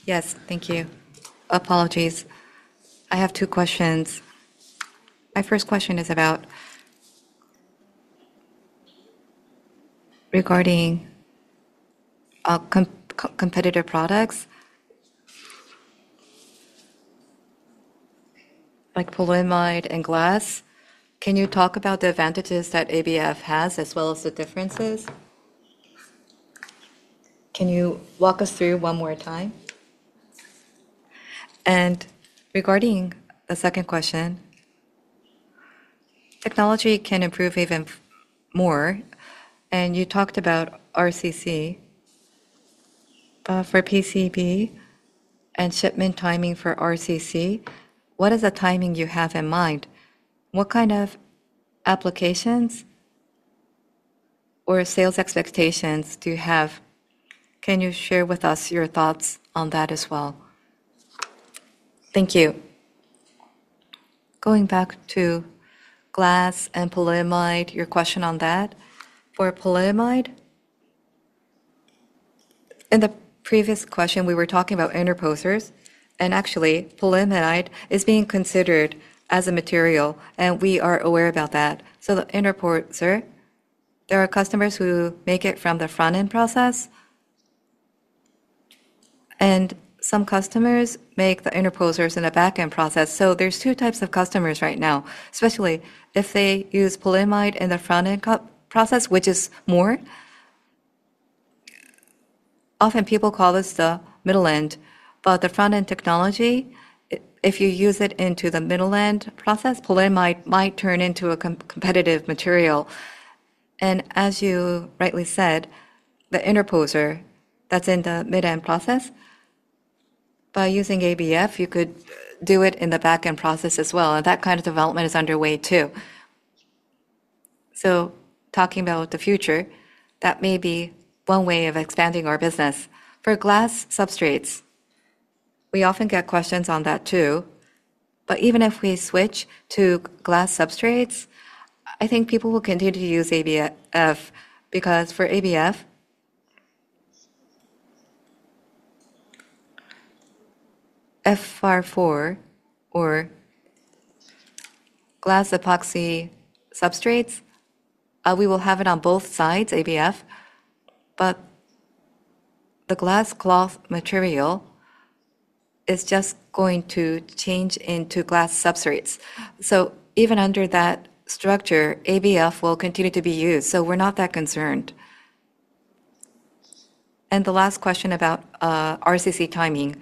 Yes. Thank you. Apologies. I have two questions. My first question is about Regarding competitive products like polyimide and glass, can you talk about the advantages that ABF has as well as the differences? Can you walk us through one more time? Regarding the second question, technology can improve even more, and you talked about RCC for PCB and shipment timing for RCC. What is the timing you have in mind? What kind of applications or sales expectations do you have? Can you share with us your thoughts on that as well? Thank you. Going back to glass and polyimide, your question on that. For polyimide, in the previous question, we were talking about interposers, and actually polyimide is being considered as a material, and we are aware about that. The interposer, there's two types of customers right now, especially if they use polyimide in the front-end process, which is more. Often people call this the middle-end, but the front-end technology, if you use it into the middle-end process, polyimide might turn into a competitive material. As you rightly said, the interposer that's in the mid-end process, by using ABF, you could do it in the back-end process as well, and that kind of development is underway too. Talking about the future, that may be one way of expanding our business. For glass substrates, we often get questions on that too. Even if we switch to glass substrates, I think people will continue to use ABF because for ABF, FR4 or glass epoxy substrates, we will have it on both sides, ABF, but the glass cloth material is just going to change into glass substrates. Even under that structure, ABF will continue to be used. We're not that concerned. The last question about RCC timing.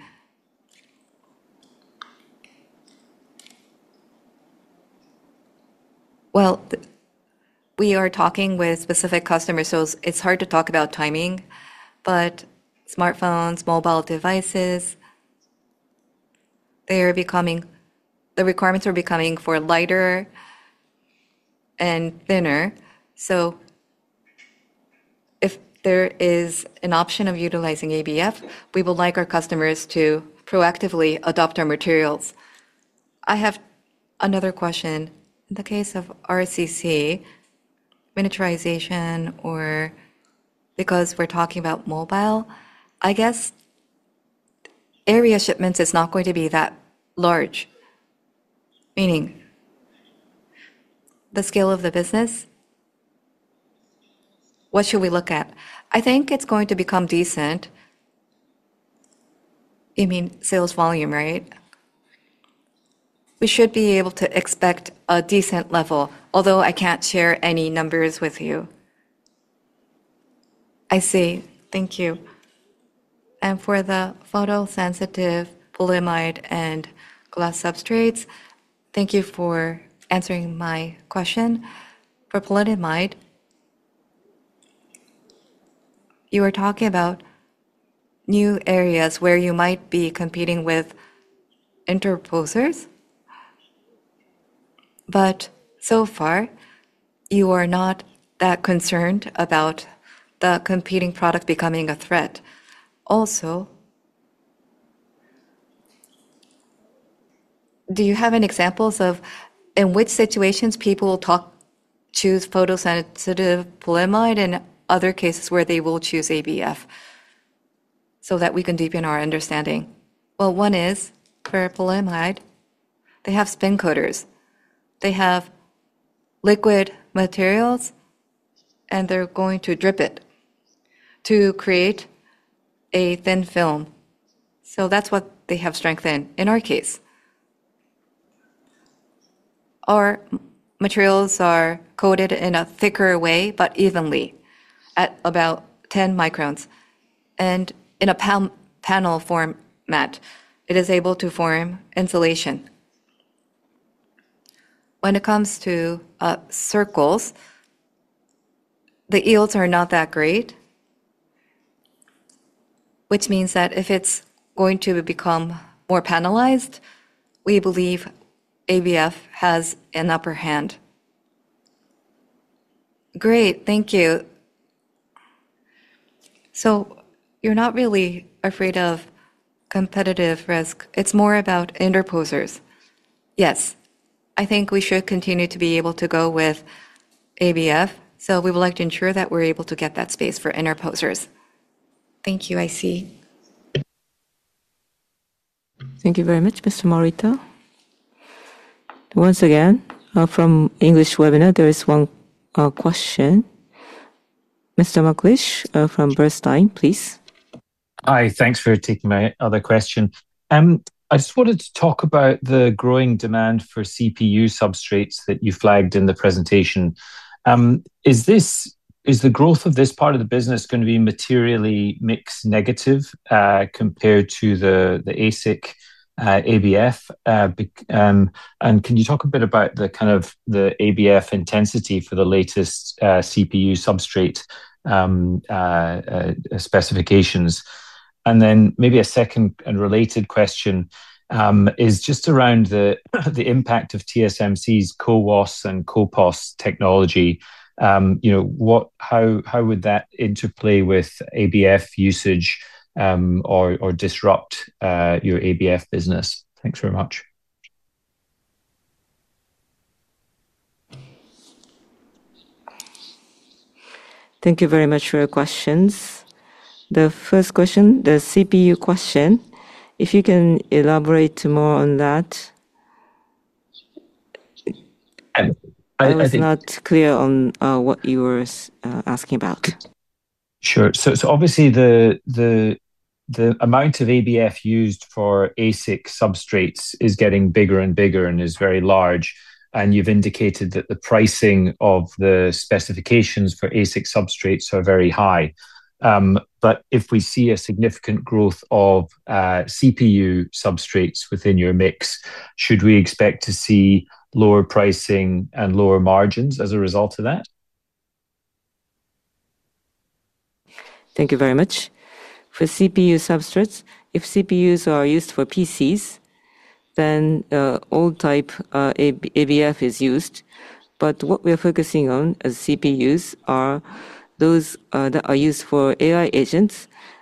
Well, we are talking with specific customers, so it's hard to talk about timing, but smartphones, mobile devices, the requirements are becoming for lighter and thinner. If there is an option of utilizing ABF, we would like our customers to proactively adopt our materials. I have another question. In the case of RCC, miniaturization or because we're talking about mobile, I guess area shipments is not going to be that large, meaning the scale of the business. What should we look at? I think it is going to become decent. You mean sales volume, right? We should be able to expect a decent level, although I cannot share any numbers with you. I see. Thank you. For the photosensitive polyimide and glass substrates, thank you for answering my question. For polyimide, you were talking about new areas where you might be competing with interposers. So far you are not that concerned about the competing product becoming a threat. Also, do you have any examples of in which situations people will choose photosensitive polyimide and other cases where they will choose ABF so that we can deepen our understanding? One is for polyimide, they have spin coater. They have liquid materials. They are going to drip it to create a thin film. That is what they have strength in. In our case, our materials are coated in a thicker way, evenly at about 10 microns in a panel format. It is able to form insulation. When it comes to circles, the yields are not that great, which means that if it is going to become more panelized, we believe ABF has an upper hand. Great. Thank you. You are not really afraid of competitive risk. It is more about interposers. Yes. I think we should continue to be able to go with ABF. We would like to ensure that we are able to get that space for interposers. Thank you. I see. Thank you very much, Mr. Morita. Once again, from English webinar, there is one question. Mr. Maklish from Bernstein, please. Hi. Thanks for taking my other question. I just wanted to talk about the growing demand for CPU substrates that you flagged in the presentation. Is the growth of this part of the business going to be materially mix negative compared to the ASIC ABF? Can you talk a bit about the ABF intensity for the latest CPU substrate specifications? Maybe a second and related question is just around the impact of TSMC's CoWoS and CoPoS technology. How would that interplay with ABF usage or disrupt your ABF business? Thanks very much. Thank you very much for your questions. The first question, the CPU question, if you can elaborate more on that. I think- I was not clear on what you were asking about. Sure. Obviously the amount of ABF used for ASIC substrates is getting bigger and bigger and is very large, and you've indicated that the pricing of the specifications for ASIC substrates are very high. If we see a significant growth of CPU substrates within your mix, should we expect to see lower pricing and lower margins as a result of that? Thank you very much. For CPU substrates, if CPUs are used for PCs, old type ABF is used. What we are focusing on as CPUs are those that are used for AI agents,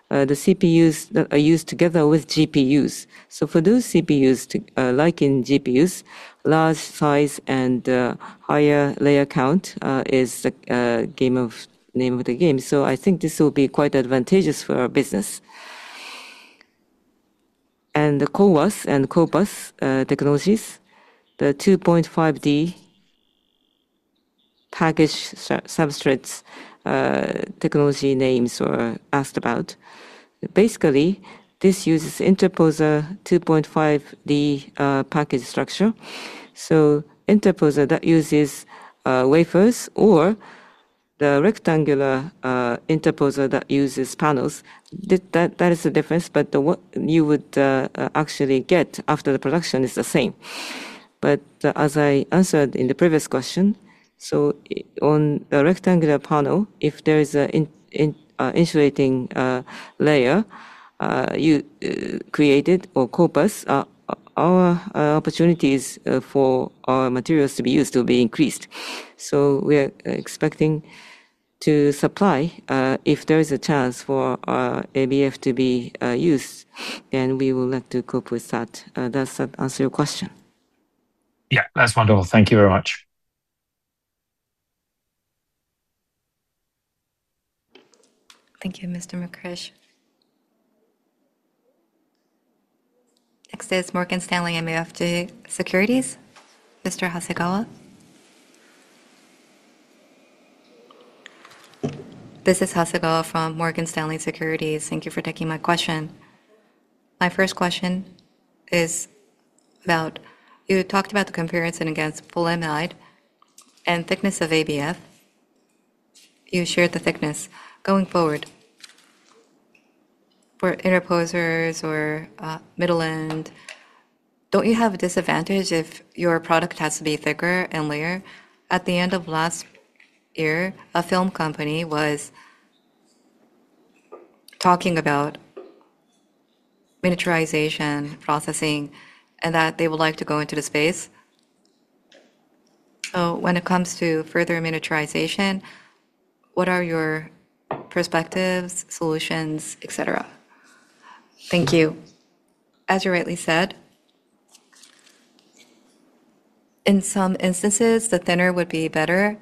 the CPUs that are used together with GPUs. For those CPUs, like in GPUs, large size and higher layer count is the name of the game. I think this will be quite advantageous for our business. The CoWoS and CoPoS technologies, the 2.5D package substrates technology names were asked about. Basically, this uses interposer 2.5D package structure. Interposer that uses wafers or the rectangular interposer that uses panels, that is the difference. What you would actually get after the production is the same. As I answered in the previous question, on the rectangular panel, if there is an insulating layer created or CoPoS, our opportunities for our materials to be used will be increased. We are expecting to supply if there is a chance for ABF to be used, we would like to cope with that. Does that answer your question? Yeah. That's wonderful. Thank you very much. Thank you, Mr. Maklish. Next is Morgan Stanley MUFG Securities, Mr. Hasegawa. This is Hasegawa from Morgan Stanley Securities. Thank you for taking my question. My first question is about, you talked about the comparison against polyimide and thickness of ABF. You shared the thickness. Going forward, for interposers or middle end, don't you have a disadvantage if your product has to be thicker and layer? At the end of last year, a film company was talking about miniaturization processing, that they would like to go into the space. When it comes to further miniaturization, what are your perspectives, solutions, et cetera? Thank you. As you rightly said, in some instances, the thinner would be better,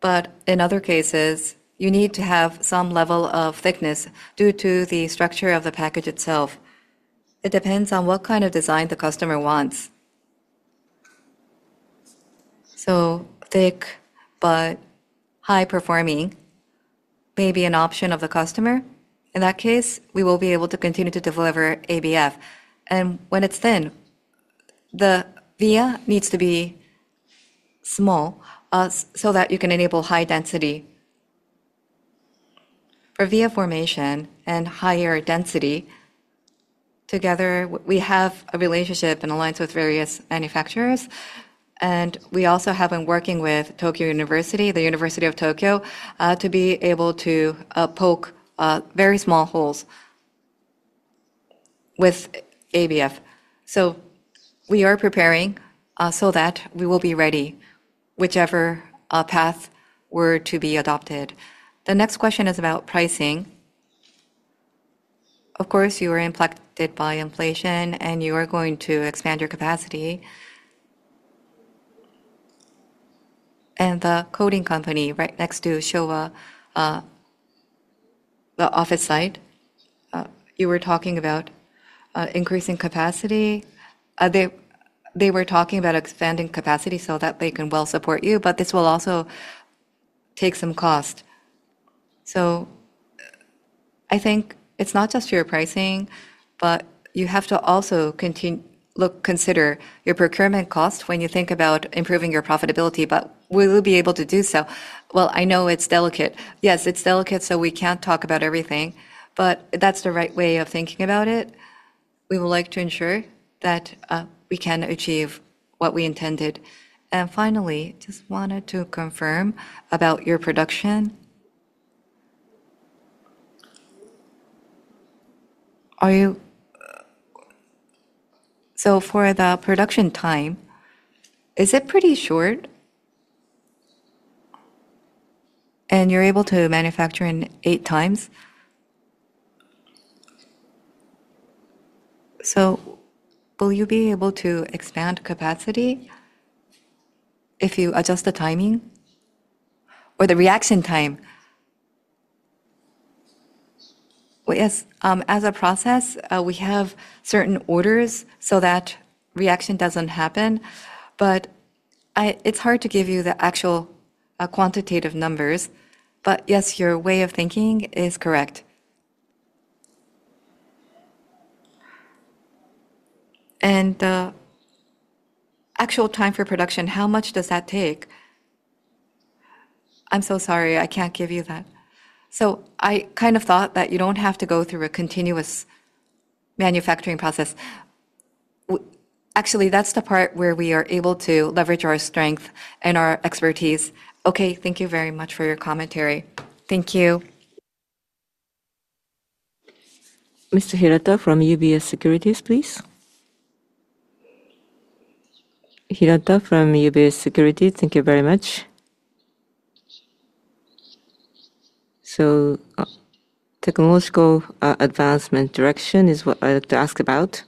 but in other cases, you need to have some level of thickness due to the structure of the package itself. It depends on what kind of design the customer wants. Thick but high-performing may be an option of the customer. In that case, we will be able to continue to deliver ABF. When it's thin, the via needs to be small so that you can enable high density. For via formation and higher density together, we have a relationship and alliance with various manufacturers, and we also have been working with Tokyo University, the University of Tokyo, to be able to poke very small holes with ABF. We are preparing so that we will be ready, whichever path were to be adopted. The next question is about pricing. Of course, you are impacted by inflation, and you are going to expand your capacity. The coding company right next to Showa, the office site. You were talking about increasing capacity. They were talking about expanding capacity so that they can well support you, but this will also take some cost. I think it's not just your pricing, but you have to also consider your procurement cost when you think about improving your profitability. Will you be able to do so? Well, I know it's delicate. Yes, it's delicate, so we can't talk about everything, but that's the right way of thinking about it. We would like to ensure that we can achieve what we intended. Finally, just wanted to confirm about your production. For the production time, is it pretty short? You're able to manufacture in eight times? Will you be able to expand capacity if you adjust the timing or the reaction time? Yes. As a process, we have certain orders so that reaction doesn't happen, but it's hard to give you the actual quantitative numbers. Yes, your way of thinking is correct. The actual time for production, how much does that take? I'm so sorry, I can't give you that. I thought that you don't have to go through a continuous manufacturing process. Actually, that's the part where we are able to leverage our strength and our expertise. Okay, thank you very much for your commentary. Thank you. Mr. Hirata from UBS Securities, please. Hirata from UBS Securities. Thank you very much. Technological advancement direction is what I'd like to ask about,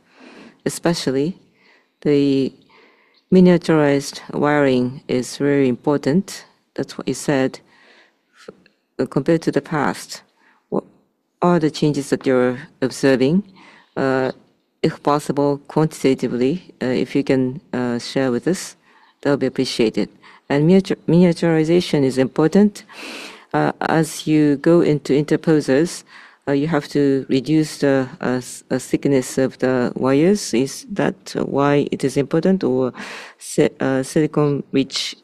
especially the miniaturized wiring is very important. That's what you said. Compared to the past, what are the changes that you're observing? If possible, quantitatively if you can share with us, that would be appreciated. Miniaturization is important. As you go into interposers you have to reduce the thickness of the wires. Is that why it is important? Or silicon rich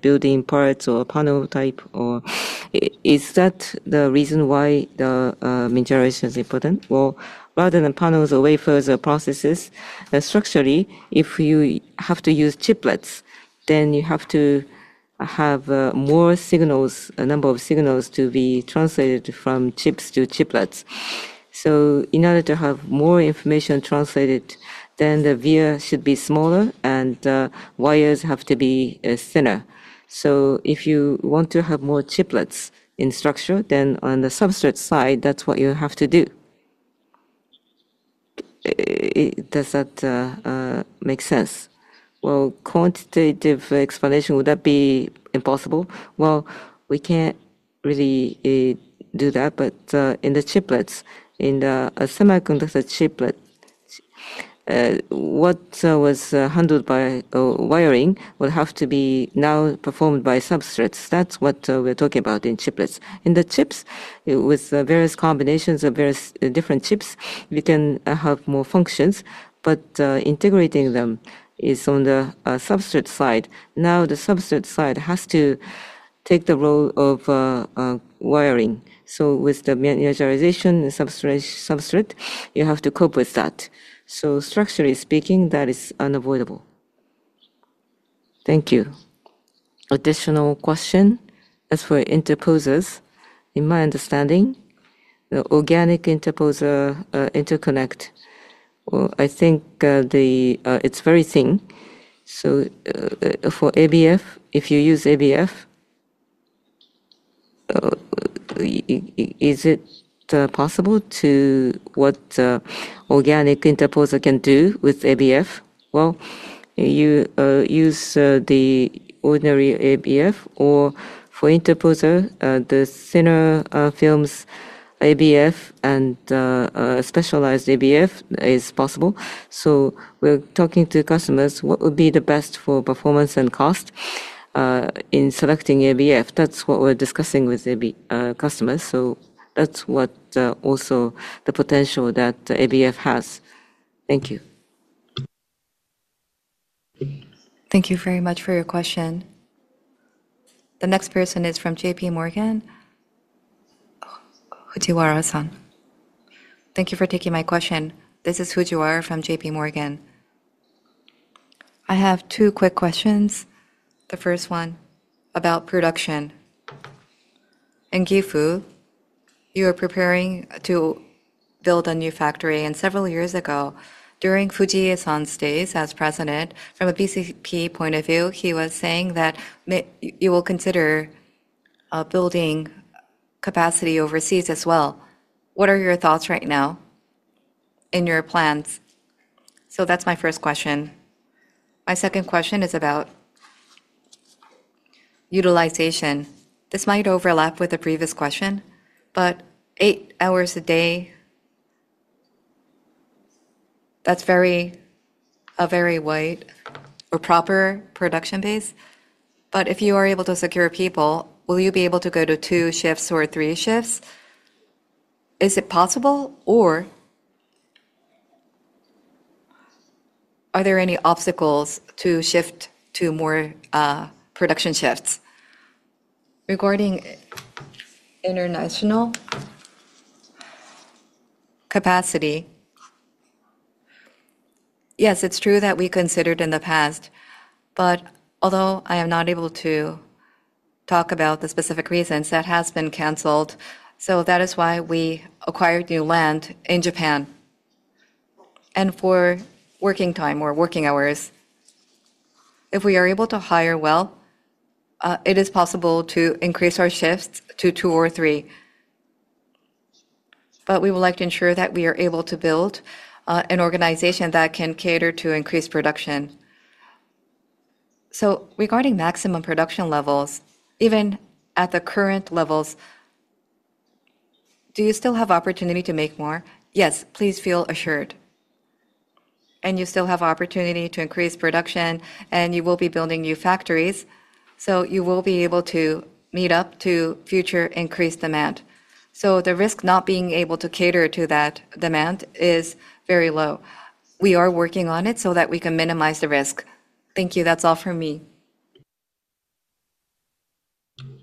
building parts or panel type or is that the reason why the miniaturization is important? Well, rather than panels or wafers or processes, structurally, if you have to use chiplets, then you have to have more signals, a number of signals to be translated from chips to chiplets. In order to have more information translated, then the via should be smaller and the wires have to be thinner. If you want to have more chiplets in structure, then on the substrate side, that's what you have to do. Does that make sense? Well, quantitative explanation, would that be impossible? Well, we can't really do that. In the chiplets, in the semiconductor chiplet what was handled by wiring will have to be now performed by substrates. That's what we're talking about in chiplets. In the chips, with various combinations of various different chips, we can have more functions, but integrating them is on the substrate side. Now the substrate side has to take the role of wiring. With the miniaturization substrate, you have to cope with that. Structurally speaking, that is unavoidable. Thank you. Additional question. As for interposers, in my understanding, the organic interposer interconnect, I think it's very thin. For ABF, if you use ABF, is it possible to what organic interposer can do with ABF? Well, you use the ordinary ABF or for interposer the thinner films ABF and specialized ABF is possible. We're talking to customers what would be the best for performance and cost in selecting ABF. That's what we're discussing with customers. That's what also the potential that ABF has. Thank you. Thank you very much for your question. The next person is from JPMorgan Securities. Fujiwara-san. Thank you for taking my question. This is Fujiwara from JPMorgan Securities. I have two quick questions. The first one about production. In Gifu, you are preparing to build a new factory, several years ago, during Fujii's stays as president, from a BCP point of view, he was saying that you will consider building capacity overseas as well. What are your thoughts right now in your plans? That's my first question. My second question is about utilization. This might overlap with the previous question, eight hours a day, that's a very wide or proper production base. If you are able to secure people, will you be able to go to two shifts or three shifts? Is it possible, or are there any obstacles to shift to more production shifts? Regarding international capacity, yes, it's true that we considered in the past. Although I am not able to talk about the specific reasons, that has been canceled. That is why we acquired new land in Japan. For working time or working hours, if we are able to hire well, it is possible to increase our shifts to two or three. We would like to ensure that we are able to build an organization that can cater to increased production. Regarding maximum production levels, even at the current levels, do you still have opportunity to make more? Yes. Please feel assured. You still have opportunity to increase production, and you will be building new factories, so you will be able to meet up to future increased demand. The risk not being able to cater to that demand is very low. We are working on it so that we can minimize the risk. Thank you. That's all from me.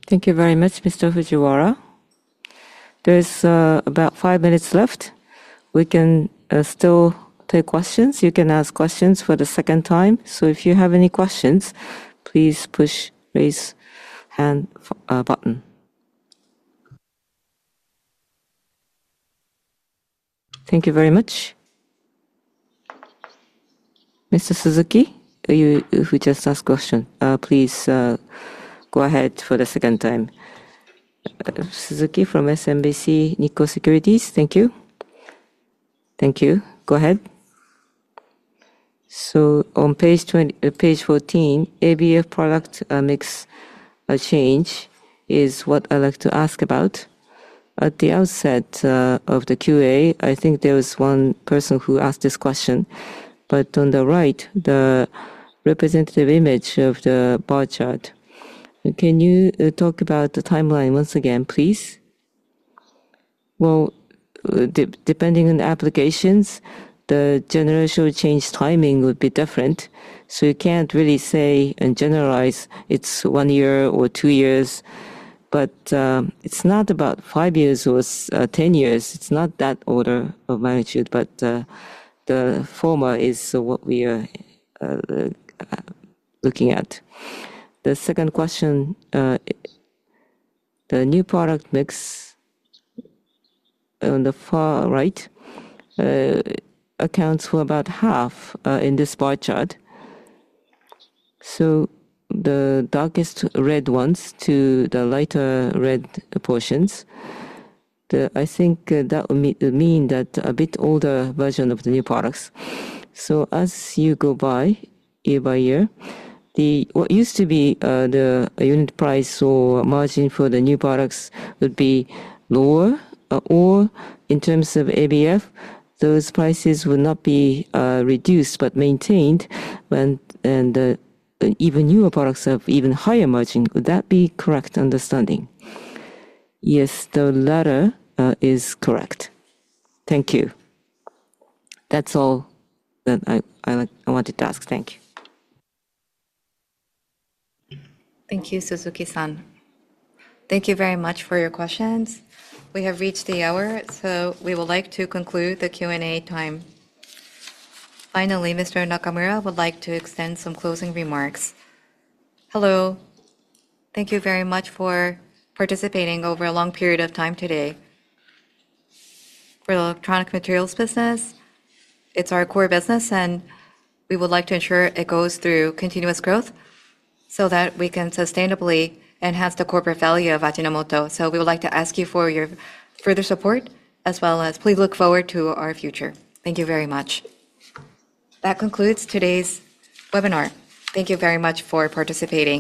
Thank you very much, Mr. Fujiwara. There's about five minutes left. We can still take questions. You can ask questions for the second time. If you have any questions, please push raise hand button. Thank you very much. Mr. Suzuki, you who just asked question, please go ahead for the second time. Suzuki from SMBC Nikko Securities. Thank you. Thank you. Go ahead. On page 14, ABF product mix change is what I'd like to ask about. At the outset of the QA, I think there was one person who asked this question, but on the right, the representative image of the bar chart. Can you talk about the timeline once again, please? Well, depending on the applications, the generational change timing would be different. You can't really say and generalize it's one year or two years, but it's not about five years or 10 years. It's not that order of magnitude. The former is what we are looking at. The second question, the new product mix on the far right accounts for about half in this bar chart. The darkest red ones to the lighter red portions, I think that would mean that a bit older version of the new products. As you go by year by year, what used to be the unit price or margin for the new products would be lower, or in terms of ABF, those prices would not be reduced but maintained, and the even newer products have even higher margin. Would that be correct understanding? Yes, the latter is correct. Thank you. That's all that I wanted to ask. Thank you. Thank you, Suzuki-san. Thank you very much for your questions. We have reached the hour, we would like to conclude the Q&A time. Finally, Mr. Nakamura would like to extend some closing remarks. Hello. Thank you very much for participating over a long period of time today. For the electronic materials business, it's our core business, and we would like to ensure it goes through continuous growth so that we can sustainably enhance the corporate value of Ajinomoto. We would like to ask you for your further support, as well as please look forward to our future. Thank you very much. That concludes today's webinar. Thank you very much for participating.